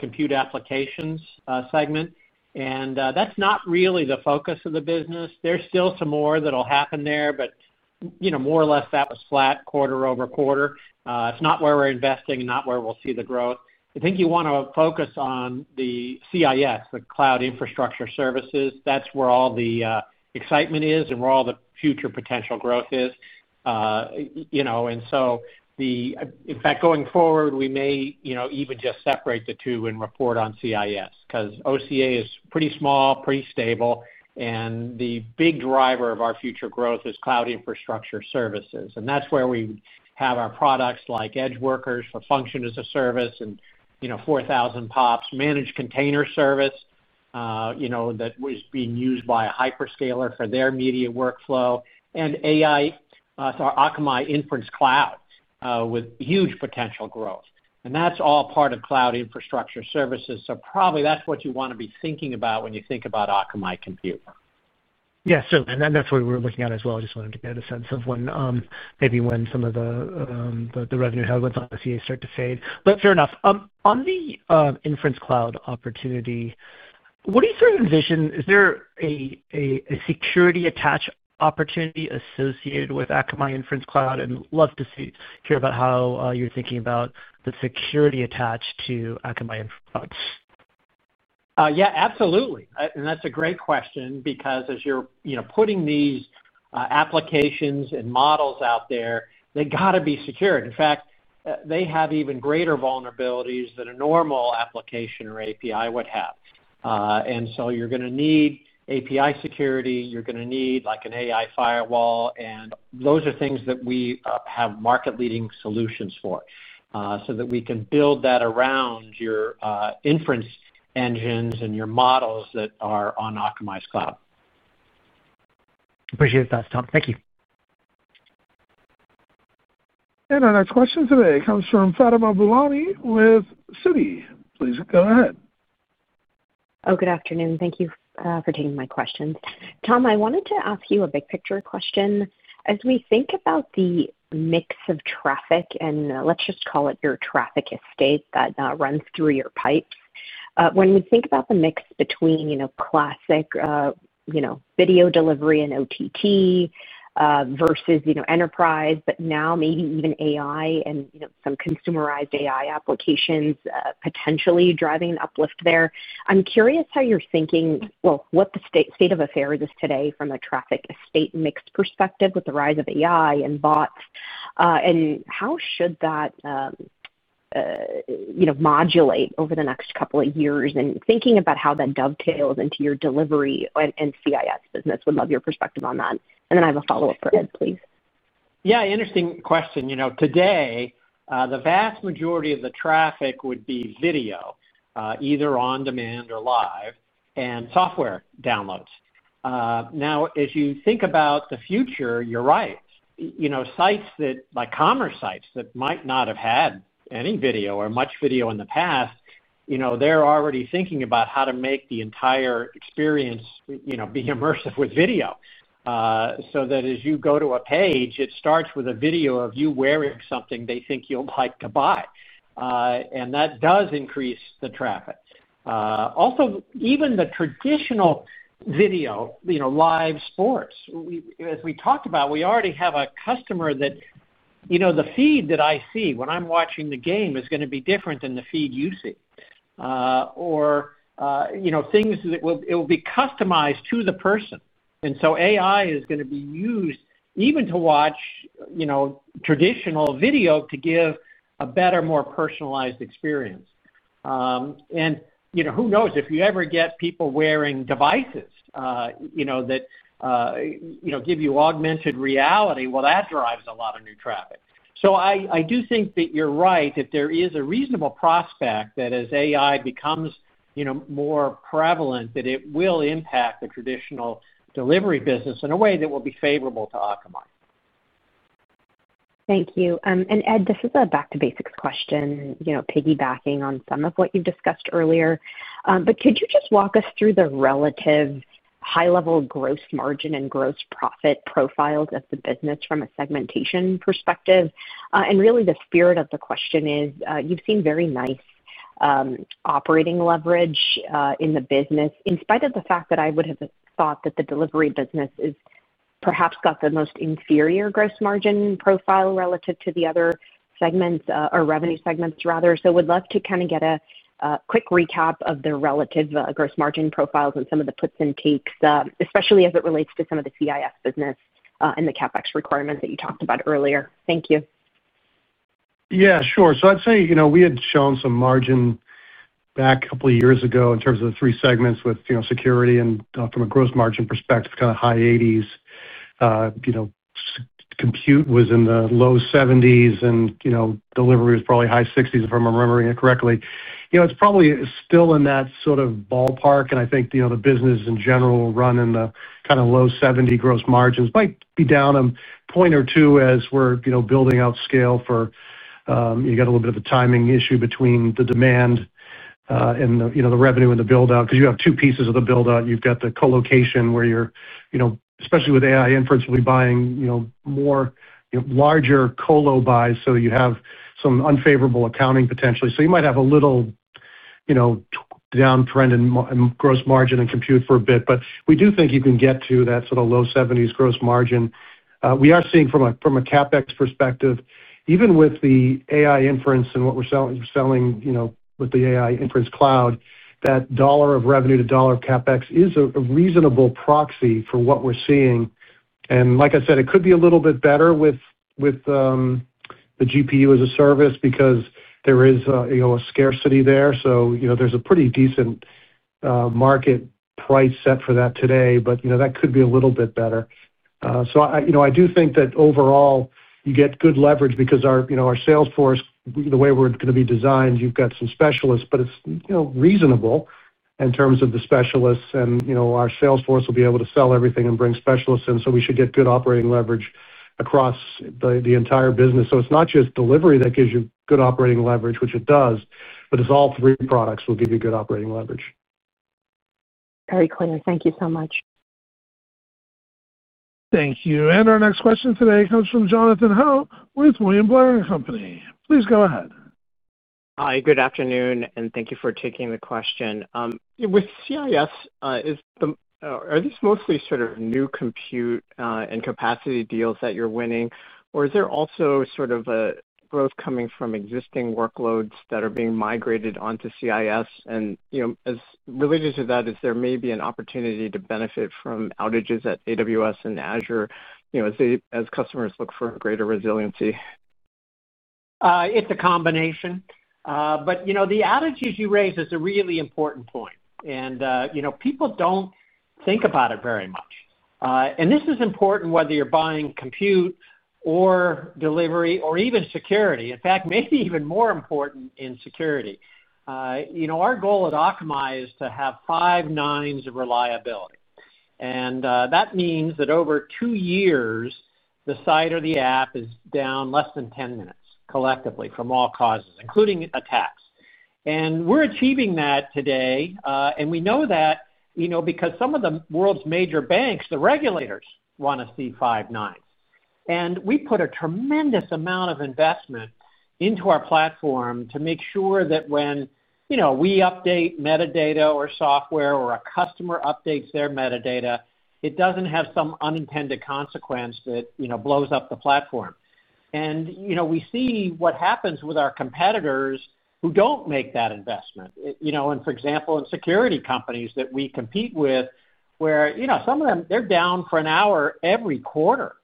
Speaker 3: compute applications segment. That's not really the focus of the business. There's still some more that'll happen there, but more or less that was flat quarter-over-quarter. It's not where we're investing and not where we'll see the growth. I think you want to focus on the CIS, the Cloud Infrastructure Services. That's where all the excitement is and where all the future potential growth is. In fact, going forward, we may even just separate the two and report on CIS because OCA is pretty small, pretty stable, and the big driver of our future growth is Cloud Infrastructure Services. That's where we have our products like Edge Workers for Function as a Service and 4,000 POPS, Managed Container Service. That was being used by a hyperscaler for their media workflow, and AI, our Akamai Inference Cloud with huge potential growth. That is all part of Cloud Infrastructure Services. Probably that is what you want to be thinking about when you think about Akamai Compute.
Speaker 11: Yeah, sure. That's what we were looking at as well. I just wanted to get a sense of maybe when some of the revenue headwinds on the CIS start to fade. Fair enough. On the Inference Cloud opportunity, what do you sort of envision? Is there a security-attached opportunity associated with Akamai Inference Cloud? I'd love to hear about how you're thinking about the security attached to Akamai Inference.
Speaker 3: Yeah, absolutely. That is a great question because as you're putting these applications and models out there, they got to be secured. In fact, they have even greater vulnerabilities than a normal application or API would have. You are going to need API Security. You are going to need an AI Firewall. Those are things that we have market-leading solutions for so that we can build that around your inference engines and your models that are on Akamai's cloud.
Speaker 11: Appreciate that, Tom. Thank you.
Speaker 1: Our next question today comes from Fatima Bulani with Citi. Please go ahead.
Speaker 12: Oh, good afternoon. Thank you for taking my questions. Tom, I wanted to ask you a big picture question. As we think about the mix of traffic, and let's just call it your traffic estate that runs through your pipes, when we think about the mix between classic video delivery and OTT versus enterprise, but now maybe even AI and some consumerized AI applications potentially driving an uplift there, I'm curious how you're thinking, what the state of affairs is today from a traffic estate mix perspective with the rise of AI and bots. How should that modulate over the next couple of years? Thinking about how that dovetails into your delivery and CIS business, would love your perspective on that. I have a follow-up for Ed, please.
Speaker 3: Yeah, interesting question. Today, the vast majority of the traffic would be video, either on demand or live, and software downloads. Now, as you think about the future, you're right. Sites like commerce sites that might not have had any video or much video in the past, they're already thinking about how to make the entire experience be immersive with video. That as you go to a page, it starts with a video of you wearing something they think you'll like to buy. That does increase the traffic. Also, even the traditional video, live sports, as we talked about, we already have a customer that the feed that I see when I'm watching the game is going to be different than the feed you see. Things that will be customized to the person. AI is going to be used even to watch. Traditional video to give a better, more personalized experience. Who knows? If you ever get people wearing devices that give you augmented reality, that drives a lot of new traffic. I do think that you're right. If there is a reasonable prospect that as AI becomes more prevalent, it will impact the traditional delivery business in a way that will be favorable to Akamai.
Speaker 12: Thank you. Ed, this is a back-to-basics question, piggybacking on some of what you've discussed earlier. Could you just walk us through the relative high-level gross margin and gross profit profiles of the business from a segmentation perspective? The spirit of the question is you've seen very nice operating leverage in the business, in spite of the fact that I would have thought that the delivery business has perhaps got the most inferior gross margin profile relative to the other segments or revenue segments, rather. I would love to kind of get a quick recap of the relative gross margin profiles and some of the puts and takes, especially as it relates to some of the CIS business and the CapEx requirements that you talked about earlier. Thank you.
Speaker 4: Yeah, sure. I'd say we had shown some margin back a couple of years ago in terms of the three segments with security and from a gross margin perspective, kind of high 80s. Compute was in the low 70s, and delivery was probably high 60s, if I'm remembering it correctly. It's probably still in that sort of ballpark. I think the business, in general, run in the kind of low 70 gross margins. Might be down a point or two as we're building out scale for. You got a little bit of a timing issue between the demand and the revenue and the buildout. Because you have two pieces of the buildout. You've got the colocation where you're, especially with AI inference, will be buying more. Larger colo buys. You have some unfavorable accounting potentially. You might have a little. Downtrend in gross margin and compute for a bit. We do think you can get to that sort of low 70% gross margin. We are seeing from a CapEx perspective, even with the AI inference and what we're selling with the AI Inference Cloud, that dollar of revenue to dollar of CapEx is a reasonable proxy for what we're seeing. Like I said, it could be a little bit better with the GPU as a service because there is a scarcity there. There is a pretty decent market price set for that today, but that could be a little bit better. I do think that overall, you get good leverage because our sales force, the way we're going to be designed, you've got some specialists, but it's reasonable in terms of the specialists. Our sales force will be able to sell everything and bring specialists in. We should get good operating leverage across the entire business. It is not just delivery that gives you good operating leverage, which it does, but all three products will give you good operating leverage.
Speaker 12: Very clear. Thank you so much.
Speaker 1: Thank you. Our next question today comes from Jonathan Howe with William Blair and Company. Please go ahead.
Speaker 13: Hi, good afternoon, and thank you for taking the question. With CIS, are these mostly sort of new compute and capacity deals that you're winning, or is there also sort of a growth coming from existing workloads that are being migrated onto CIS? Related to that, is there maybe an opportunity to benefit from outages at AWS and Azure as customers look for greater resiliency?
Speaker 3: It's a combination. The outages you raise is a really important point. People don't think about it very much. This is important whether you're buying compute or delivery or even security. In fact, maybe even more important in security. Our goal at Akamai is to have five nines of reliability. That means that over two years, the site or the app is down less than 10 minutes collectively from all causes, including attacks. We're achieving that today. We know that because some of the world's major banks, the regulators want to see five nines. We put a tremendous amount of investment into our platform to make sure that when we update metadata or software or a customer updates their metadata, it doesn't have some unintended consequence that blows up the platform. We see what happens with our competitors who do not make that investment. For example, in security companies that we compete with, where some of them, they are down for an hour every quarter.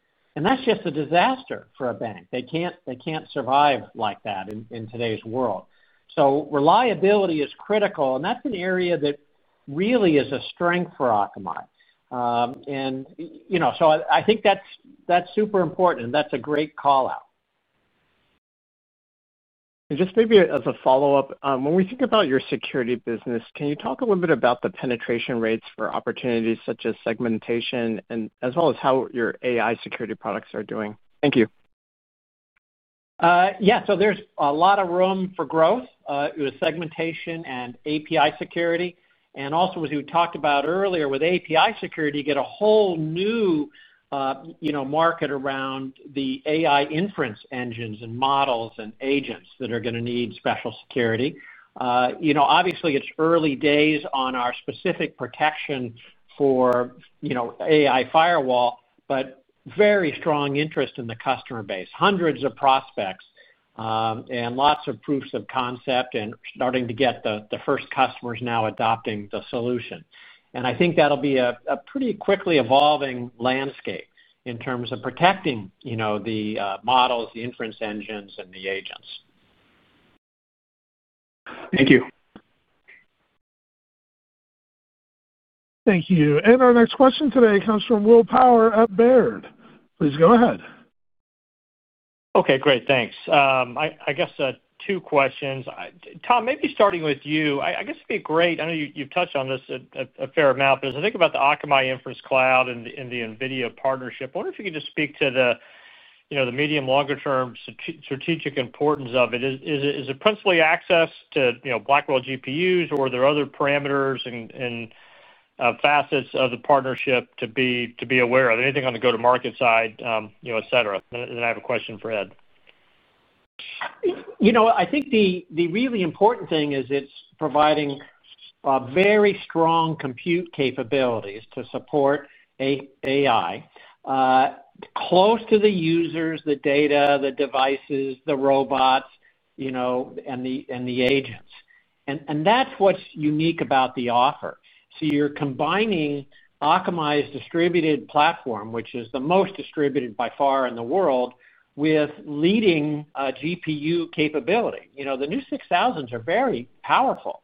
Speaker 3: That is just a disaster for a bank. They cannot survive like that in today's world. Reliability is critical. That is an area that really is a strength for Akamai. I think that is super important, and that is a great callout.
Speaker 13: Just maybe as a follow-up, when we think about your security business, can you talk a little bit about the penetration rates for opportunities such as segmentation, as well as how your AI security products are doing? Thank you. Yeah. There is a lot of room for growth with segmentation and API security. Also, as we talked about earlier, with API security, you get a whole new market around the AI inference engines and models and agents that are going to need special security. Obviously, it is early days on our specific protection for AI firewall, but very strong interest in the customer base, hundreds of prospects, and lots of proofs of concept and starting to get the first customers now adopting the solution. I think that will be a pretty quickly evolving landscape in terms of protecting the models, the inference engines, and the agents. Thank you.
Speaker 1: Thank you. Our next question today comes from Will Power at Baird. Please go ahead.
Speaker 14: Okay, great. Thanks. I guess two questions. Tom, maybe starting with you, I guess it'd be great, I know you've touched on this a fair amount, but as I think about the Akamai Inference Cloud and the NVIDIA partnership, I wonder if you can just speak to the medium-longer-term strategic importance of it. Is it principally access to Blackwell GPUs, or are there other parameters and facets of the partnership to be aware of? Anything on the go-to-market side, etc.? Then I have a question for Ed.
Speaker 3: I think the really important thing is it's providing very strong compute capabilities to support AI close to the users, the data, the devices, the robots, and the agents. That's what's unique about the offer. You're combining Akamai's distributed platform, which is the most distributed by far in the world, with leading GPU capability. The new 6000s are very powerful.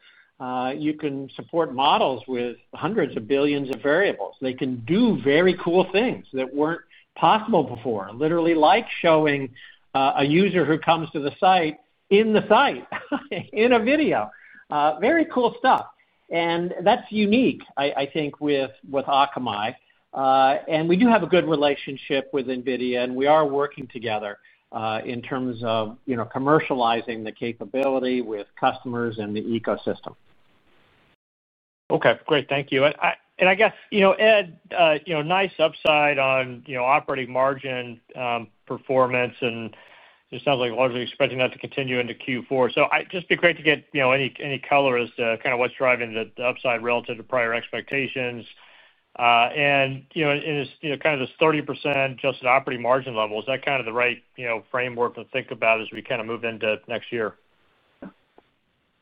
Speaker 3: You can support models with hundreds of billions of variables. They can do very cool things that weren't possible before, literally like showing a user who comes to the site in a video. Very cool stuff. That's unique, I think, with Akamai. We do have a good relationship with NVIDIA, and we are working together in terms of commercializing the capability with customers and the ecosystem.
Speaker 14: Okay. Great. Thank you. I guess, Ed, nice upside on operating margin performance. It sounds like largely expecting that to continue into Q4. It would just be great to get any color as to kind of what's driving the upside relative to prior expectations. This 30% adjusted operating margin level, is that kind of the right framework to think about as we kind of move into next year?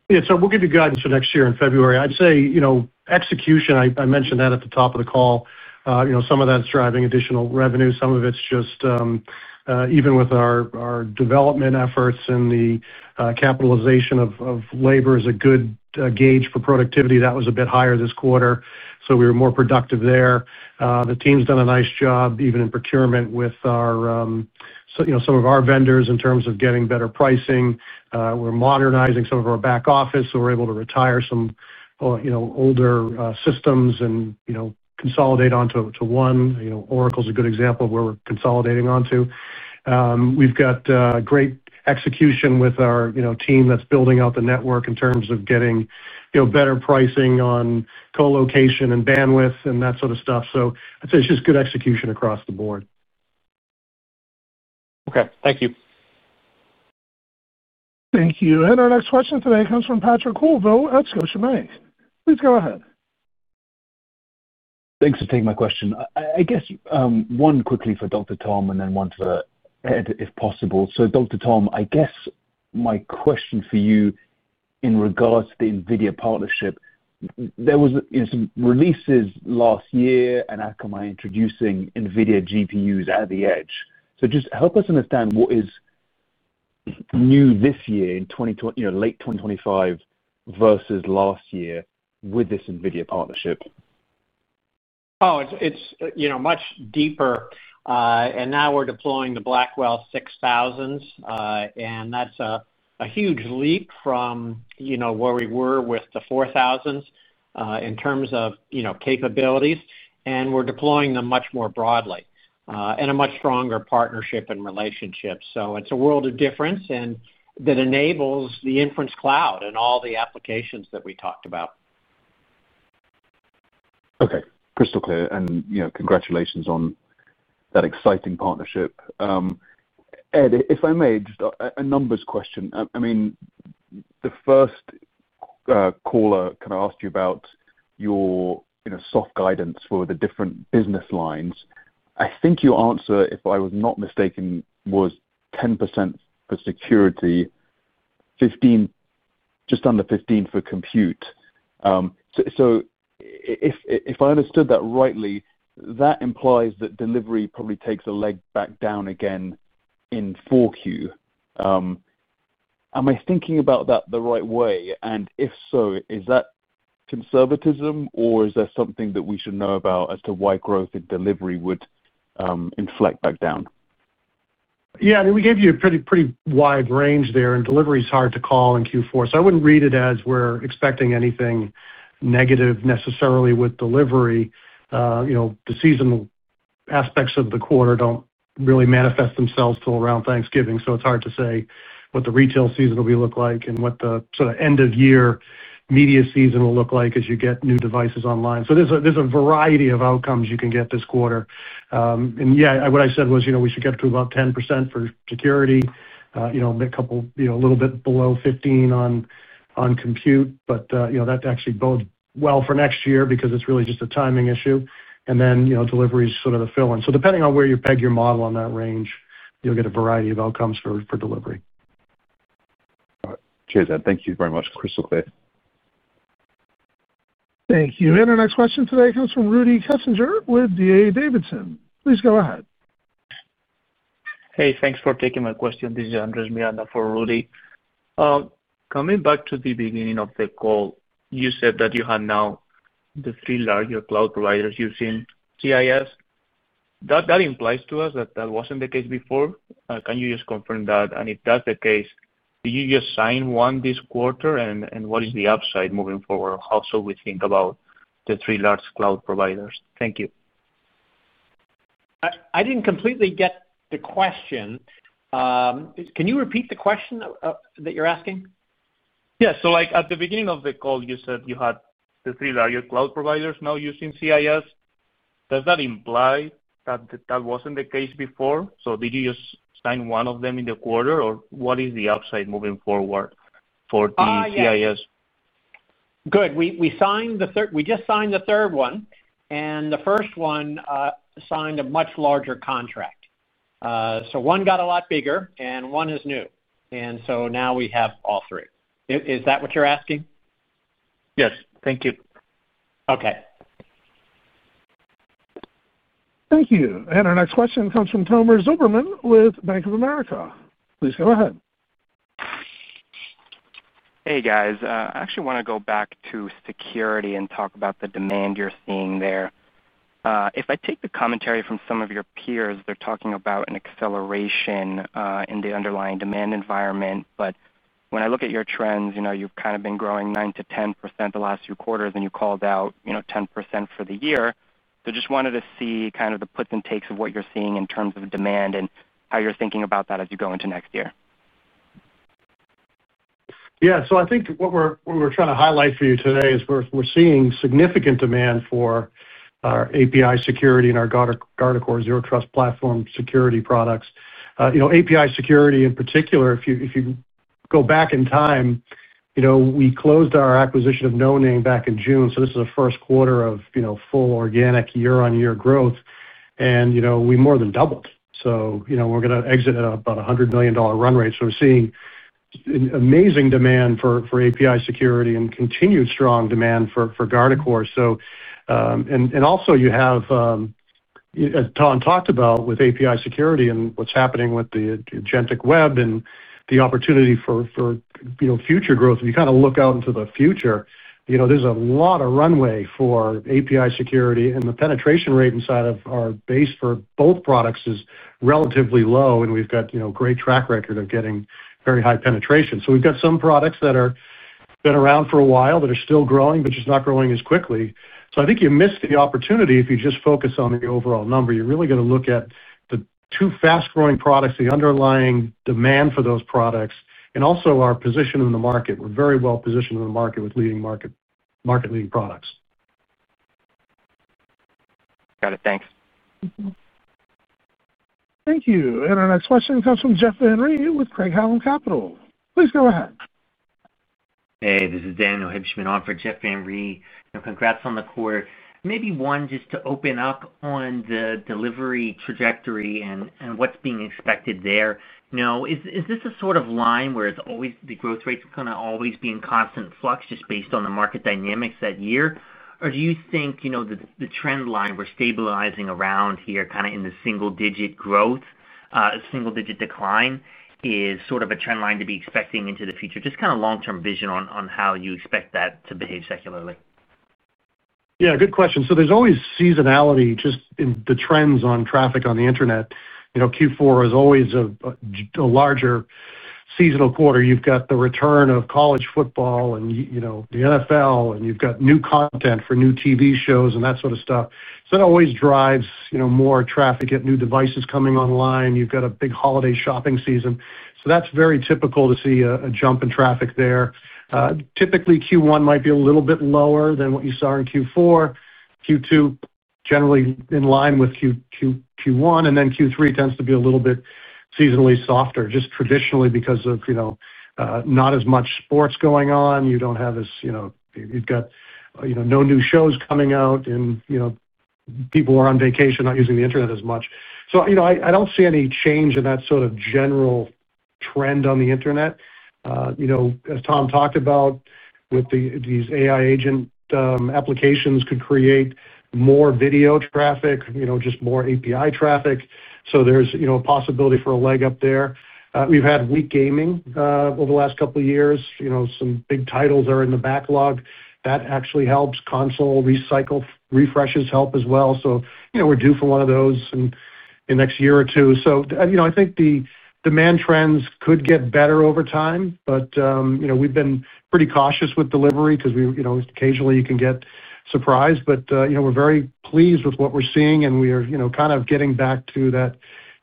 Speaker 4: Yeah. We'll give you guidance for next year in February. I'd say execution, I mentioned that at the top of the call. Some of that's driving additional revenue. Some of it's just, even with our development efforts and the capitalization of labor is a good gauge for productivity. That was a bit higher this quarter, so we were more productive there. The team's done a nice job, even in procurement, with some of our vendors in terms of getting better pricing. We're modernizing some of our back office, so we're able to retire some older systems and consolidate onto one. Oracle's a good example of where we're consolidating onto. We've got great execution with our team that's building out the network in terms of getting better pricing on colocation and bandwidth and that sort of stuff. I'd say it's just good execution across the board.
Speaker 14: Okay. Thank you.
Speaker 1: Thank you. Our next question today comes from Patrick Colville at Scotiabank. Please go ahead.
Speaker 15: Thanks for taking my question. I guess one quickly for Dr. Tom and then one for Ed, if possible. Dr. Tom, I guess my question for you in regards to the NVIDIA partnership. There were some releases last year and Akamai introducing NVIDIA GPUs at the edge. Just help us understand what is new this year in late 2025 versus last year with this NVIDIA partnership.
Speaker 3: Oh, it's much deeper. Now we're deploying the Blackwell 6000s. That's a huge leap from where we were with the 4000s in terms of capabilities. We're deploying them much more broadly in a much stronger partnership and relationship. It's a world of difference that enables the inference cloud and all the applications that we talked about.
Speaker 15: Okay. Crystal clear. And congratulations on that exciting partnership. Ed, if I may, just a numbers question. I mean, the first caller, can I ask you about your soft guidance for the different business lines? I think your answer, if I was not mistaken, was 10% for security, 15, just under 15 for compute. So if I understood that rightly, that implies that delivery probably takes a leg back down again in 4Q. Am I thinking about that the right way? And if so, is that conservatism, or is there something that we should know about as to why growth in delivery would inflect back down?
Speaker 4: Yeah. I mean, we gave you a pretty wide range there, and delivery is hard to call in Q4. I wouldn't read it as we're expecting anything negative necessarily with delivery. The seasonal aspects of the quarter don't really manifest themselves till around Thanksgiving. It's hard to say what the retail season will look like and what the sort of end-of-year media season will look like as you get new devices online. There's a variety of outcomes you can get this quarter. Yeah, what I said was we should get to about 10% for security, a little bit below 15% on compute. That actually bodes well for next year because it's really just a timing issue. Delivery is sort of the fill-in. Depending on where you peg your model on that range, you'll get a variety of outcomes for delivery.
Speaker 15: All right. Cheers, Ed. Thank you very much. Crystal clear.
Speaker 1: Thank you. Our next question today comes from Rudy Kessinger with D.A. Davidson. Please go ahead.
Speaker 16: Hey, thanks for taking my question. This is Andres Miranda for Rudy. Coming back to the beginning of the call, you said that you had now the three larger cloud providers using CIS. That implies to us that that was not the case before. Can you just confirm that? If that is the case, did you just sign one this quarter? What is the upside moving forward? How should we think about the three large cloud providers? Thank you.
Speaker 3: I didn't completely get the question. Can you repeat the question that you're asking?
Speaker 16: Yeah. At the beginning of the call, you said you had the three larger cloud providers now using CIS. Does that imply that that was not the case before? Did you just sign one of them in the quarter, or what is the upside moving forward for the CIS?
Speaker 3: Good. We just signed the third one. The first one signed a much larger contract. One got a lot bigger, and one is new. Now we have all three. Is that what you're asking?
Speaker 16: Yes. Thank you.
Speaker 3: Okay.
Speaker 1: Thank you. Our next question comes from Tomer Zilberman with Bank of America. Please go ahead.
Speaker 17: Hey, guys. I actually want to go back to security and talk about the demand you're seeing there. If I take the commentary from some of your peers, they're talking about an acceleration in the underlying demand environment. When I look at your trends, you've kind of been growing 9%-10% the last few quarters, and you called out 10% for the year. I just wanted to see kind of the puts and takes of what you're seeing in terms of demand and how you're thinking about that as you go into next year.
Speaker 4: Yeah. I think what we're trying to highlight for you today is we're seeing significant demand for our API Security and our Guardicore Zero Trust platform security products. API Security, in particular, if you go back in time, we closed our acquisition of NoName back in June. This is the first quarter of full organic year-on-year growth. We more than doubled. We're going to exit at about a $100 million run rate. We're seeing amazing demand for API Security and continued strong demand for Guardicore. Also, you have Tom talked about with API Security and what's happening with the Agentic Web and the opportunity for future growth. If you kind of look out into the future, there's a lot of runway for API Security. The penetration rate inside of our base for both products is relatively low, and we've got a great track record of getting very high penetration. We've got some products that have been around for a while that are still growing, but just not growing as quickly. I think you miss the opportunity if you just focus on the overall number. You're really going to look at the two fast-growing products, the underlying demand for those products, and also our position in the market. We're very well positioned in the market with leading market products.
Speaker 17: Got it. Thanks.
Speaker 1: Thank you. Our next question comes from Jeff Van Rhee with Craig-Hallum Capital. Please go ahead.
Speaker 18: Hey, this is Daniel Hibschman off for Jeff Van Rhee. Congrats on the quarter. Maybe one just to open up on the delivery trajectory and what's being expected there. Is this a sort of line where the growth rate is going to always be in constant flux just based on the market dynamics that year? Or do you think the trend line we're stabilizing around here, kind of in the single-digit growth, a single-digit decline, is sort of a trend line to be expecting into the future? Just kind of long-term vision on how you expect that to behave secularly.
Speaker 4: Yeah. Good question. So there's always seasonality just in the trends on traffic on the internet. Q4 is always a larger seasonal quarter. You've got the return of college football and the NFL, and you've got new content for new TV shows and that sort of stuff. That always drives more traffic. You get new devices coming online. You've got a big holiday shopping season. That's very typical to see a jump in traffic there. Typically, Q1 might be a little bit lower than what you saw in Q4. Q2, generally in line with Q1. Q3 tends to be a little bit seasonally softer, just traditionally because of not as much sports going on. You don't have as you've got no new shows coming out, and people are on vacation, not using the internet as much. I do not see any change in that sort of general trend on the internet. As Tom talked about, with these AI agent applications, could create more video traffic, just more API traffic. There is a possibility for a leg up there. We have had weak gaming over the last couple of years. Some big titles are in the backlog. That actually helps. Console refreshes help as well. We are due for one of those in the next year or two. I think the demand trends could get better over time. We have been pretty cautious with delivery because occasionally you can get surprised. We are very pleased with what we are seeing, and we are kind of getting back to that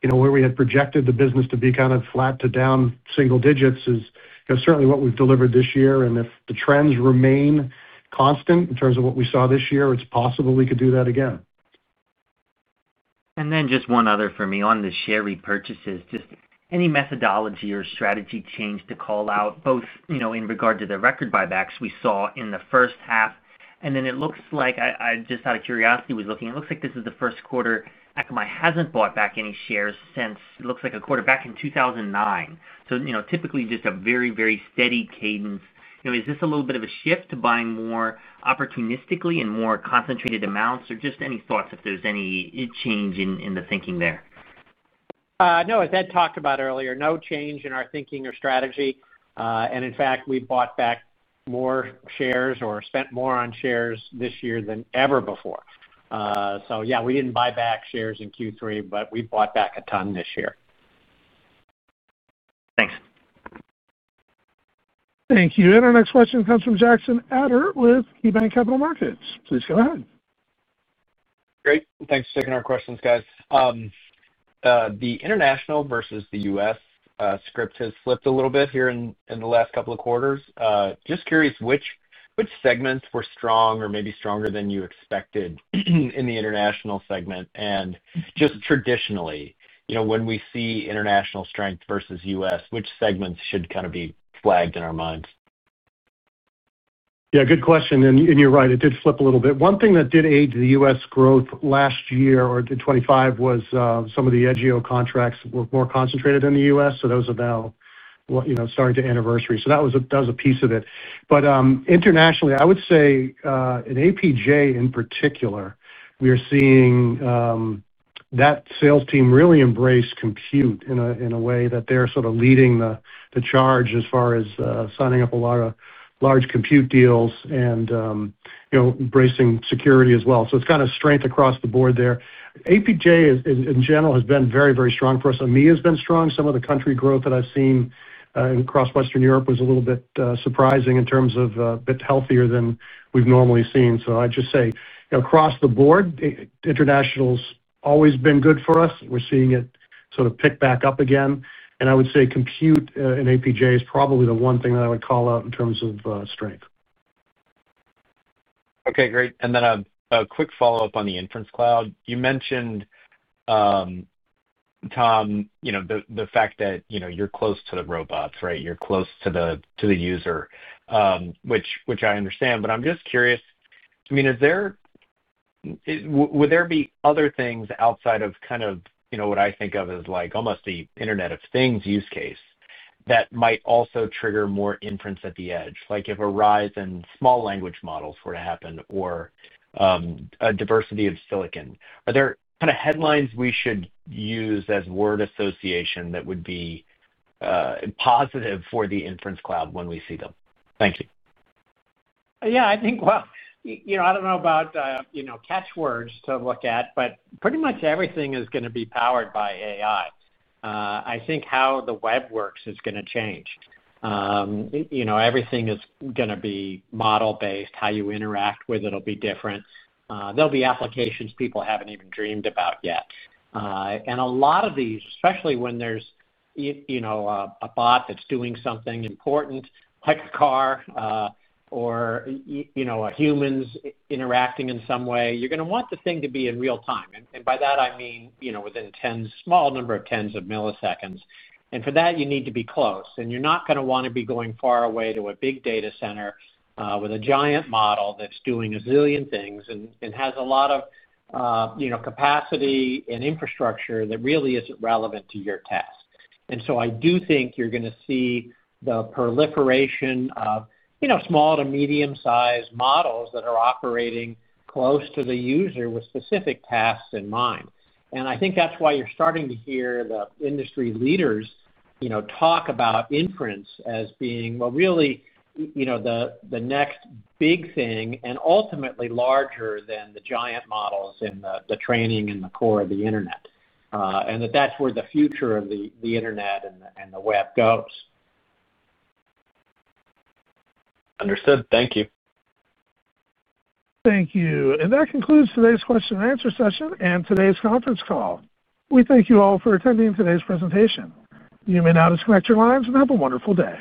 Speaker 4: where we had projected the business to be kind of flat to down single digits is certainly what we have delivered this year. If the trends remain constant in terms of what we saw this year, it's possible we could do that again.
Speaker 18: Just one other for me on the share repurchases. Just any methodology or strategy change to call out, both in regard to the record buybacks we saw in the first half? It looks like, just out of curiosity, I was looking. It looks like this is the first quarter Akamai hasn't bought back any shares since, it looks like, a quarter back in 2009. Typically, just a very, very steady cadence. Is this a little bit of a shift to buying more opportunistically in more concentrated amounts? Just any thoughts if there's any change in the thinking there?
Speaker 3: No, as Ed talked about earlier, no change in our thinking or strategy. In fact, we bought back more shares or spent more on shares this year than ever before. Yeah, we did not buy back shares in Q3, but we bought back a ton this year.
Speaker 18: Thanks.
Speaker 1: Thank you. Our next question comes from Jackson Ader with KeyBanc Capital Markets. Please go ahead.
Speaker 19: Great. Thanks for taking our questions, guys. The international versus the U.S. script has flipped a little bit here in the last couple of quarters. Just curious which segments were strong or maybe stronger than you expected in the international segment? Just traditionally, when we see international strength versus U.S., which segments should kind of be flagged in our minds?
Speaker 4: Yeah. Good question. And you're right. It did flip a little bit. One thing that did aid the U.S. growth last year or 2025 was some of the NGO contracts were more concentrated in the U.S. Those are now starting to anniversary. That was a piece of it. Internationally, I would say in APJ in particular, we are seeing that sales team really embrace compute in a way that they're sort of leading the charge as far as signing up a lot of large compute deals and embracing security as well. It's kind of strength across the board there. APJ, in general, has been very, very strong for us. AMI has been strong. Some of the country growth that I've seen across Western Europe was a little bit surprising in terms of a bit healthier than we've normally seen. I'd just say. Across the board, international's always been good for us. We're seeing it sort of pick back up again. I would say compute in APJ is probably the one thing that I would call out in terms of strength.
Speaker 19: Okay. Great. Then a quick follow-up on the inference cloud. You mentioned, Tom, the fact that you're close to the robots, right? You're close to the user, which I understand. I'm just curious. I mean, would there be other things outside of kind of what I think of as almost the Internet of Things use case that might also trigger more inference at the edge? Like if a rise in small language models were to happen or a diversity of silicon, are there kind of headlines we should use as word association that would be positive for the inference cloud when we see them? Thank you.
Speaker 3: Yeah. I think, I do not know about catchwords to look at, but pretty much everything is going to be powered by AI. I think how the web works is going to change. Everything is going to be model-based. How you interact with it will be different. There will be applications people have not even dreamed about yet. A lot of these, especially when there is a bot that is doing something important, like a car or a human is interacting in some way, you are going to want the thing to be in real time. By that, I mean within a small number of tens of milliseconds. For that, you need to be close. You are not going to want to be going far away to a big data center with a giant model that is doing a zillion things and has a lot of. Capacity and infrastructure that really isn't relevant to your task. I do think you're going to see the proliferation of small to medium-sized models that are operating close to the user with specific tasks in mind. I think that's why you're starting to hear the industry leaders talk about inference as being, really, the next big thing and ultimately larger than the giant models in the training and the core of the internet, and that that's where the future of the internet and the web goes.
Speaker 19: Understood. Thank you.
Speaker 1: Thank you. That concludes today's question and answer session and today's conference call. We thank you all for attending today's presentation. You may now disconnect your lines and have a wonderful day.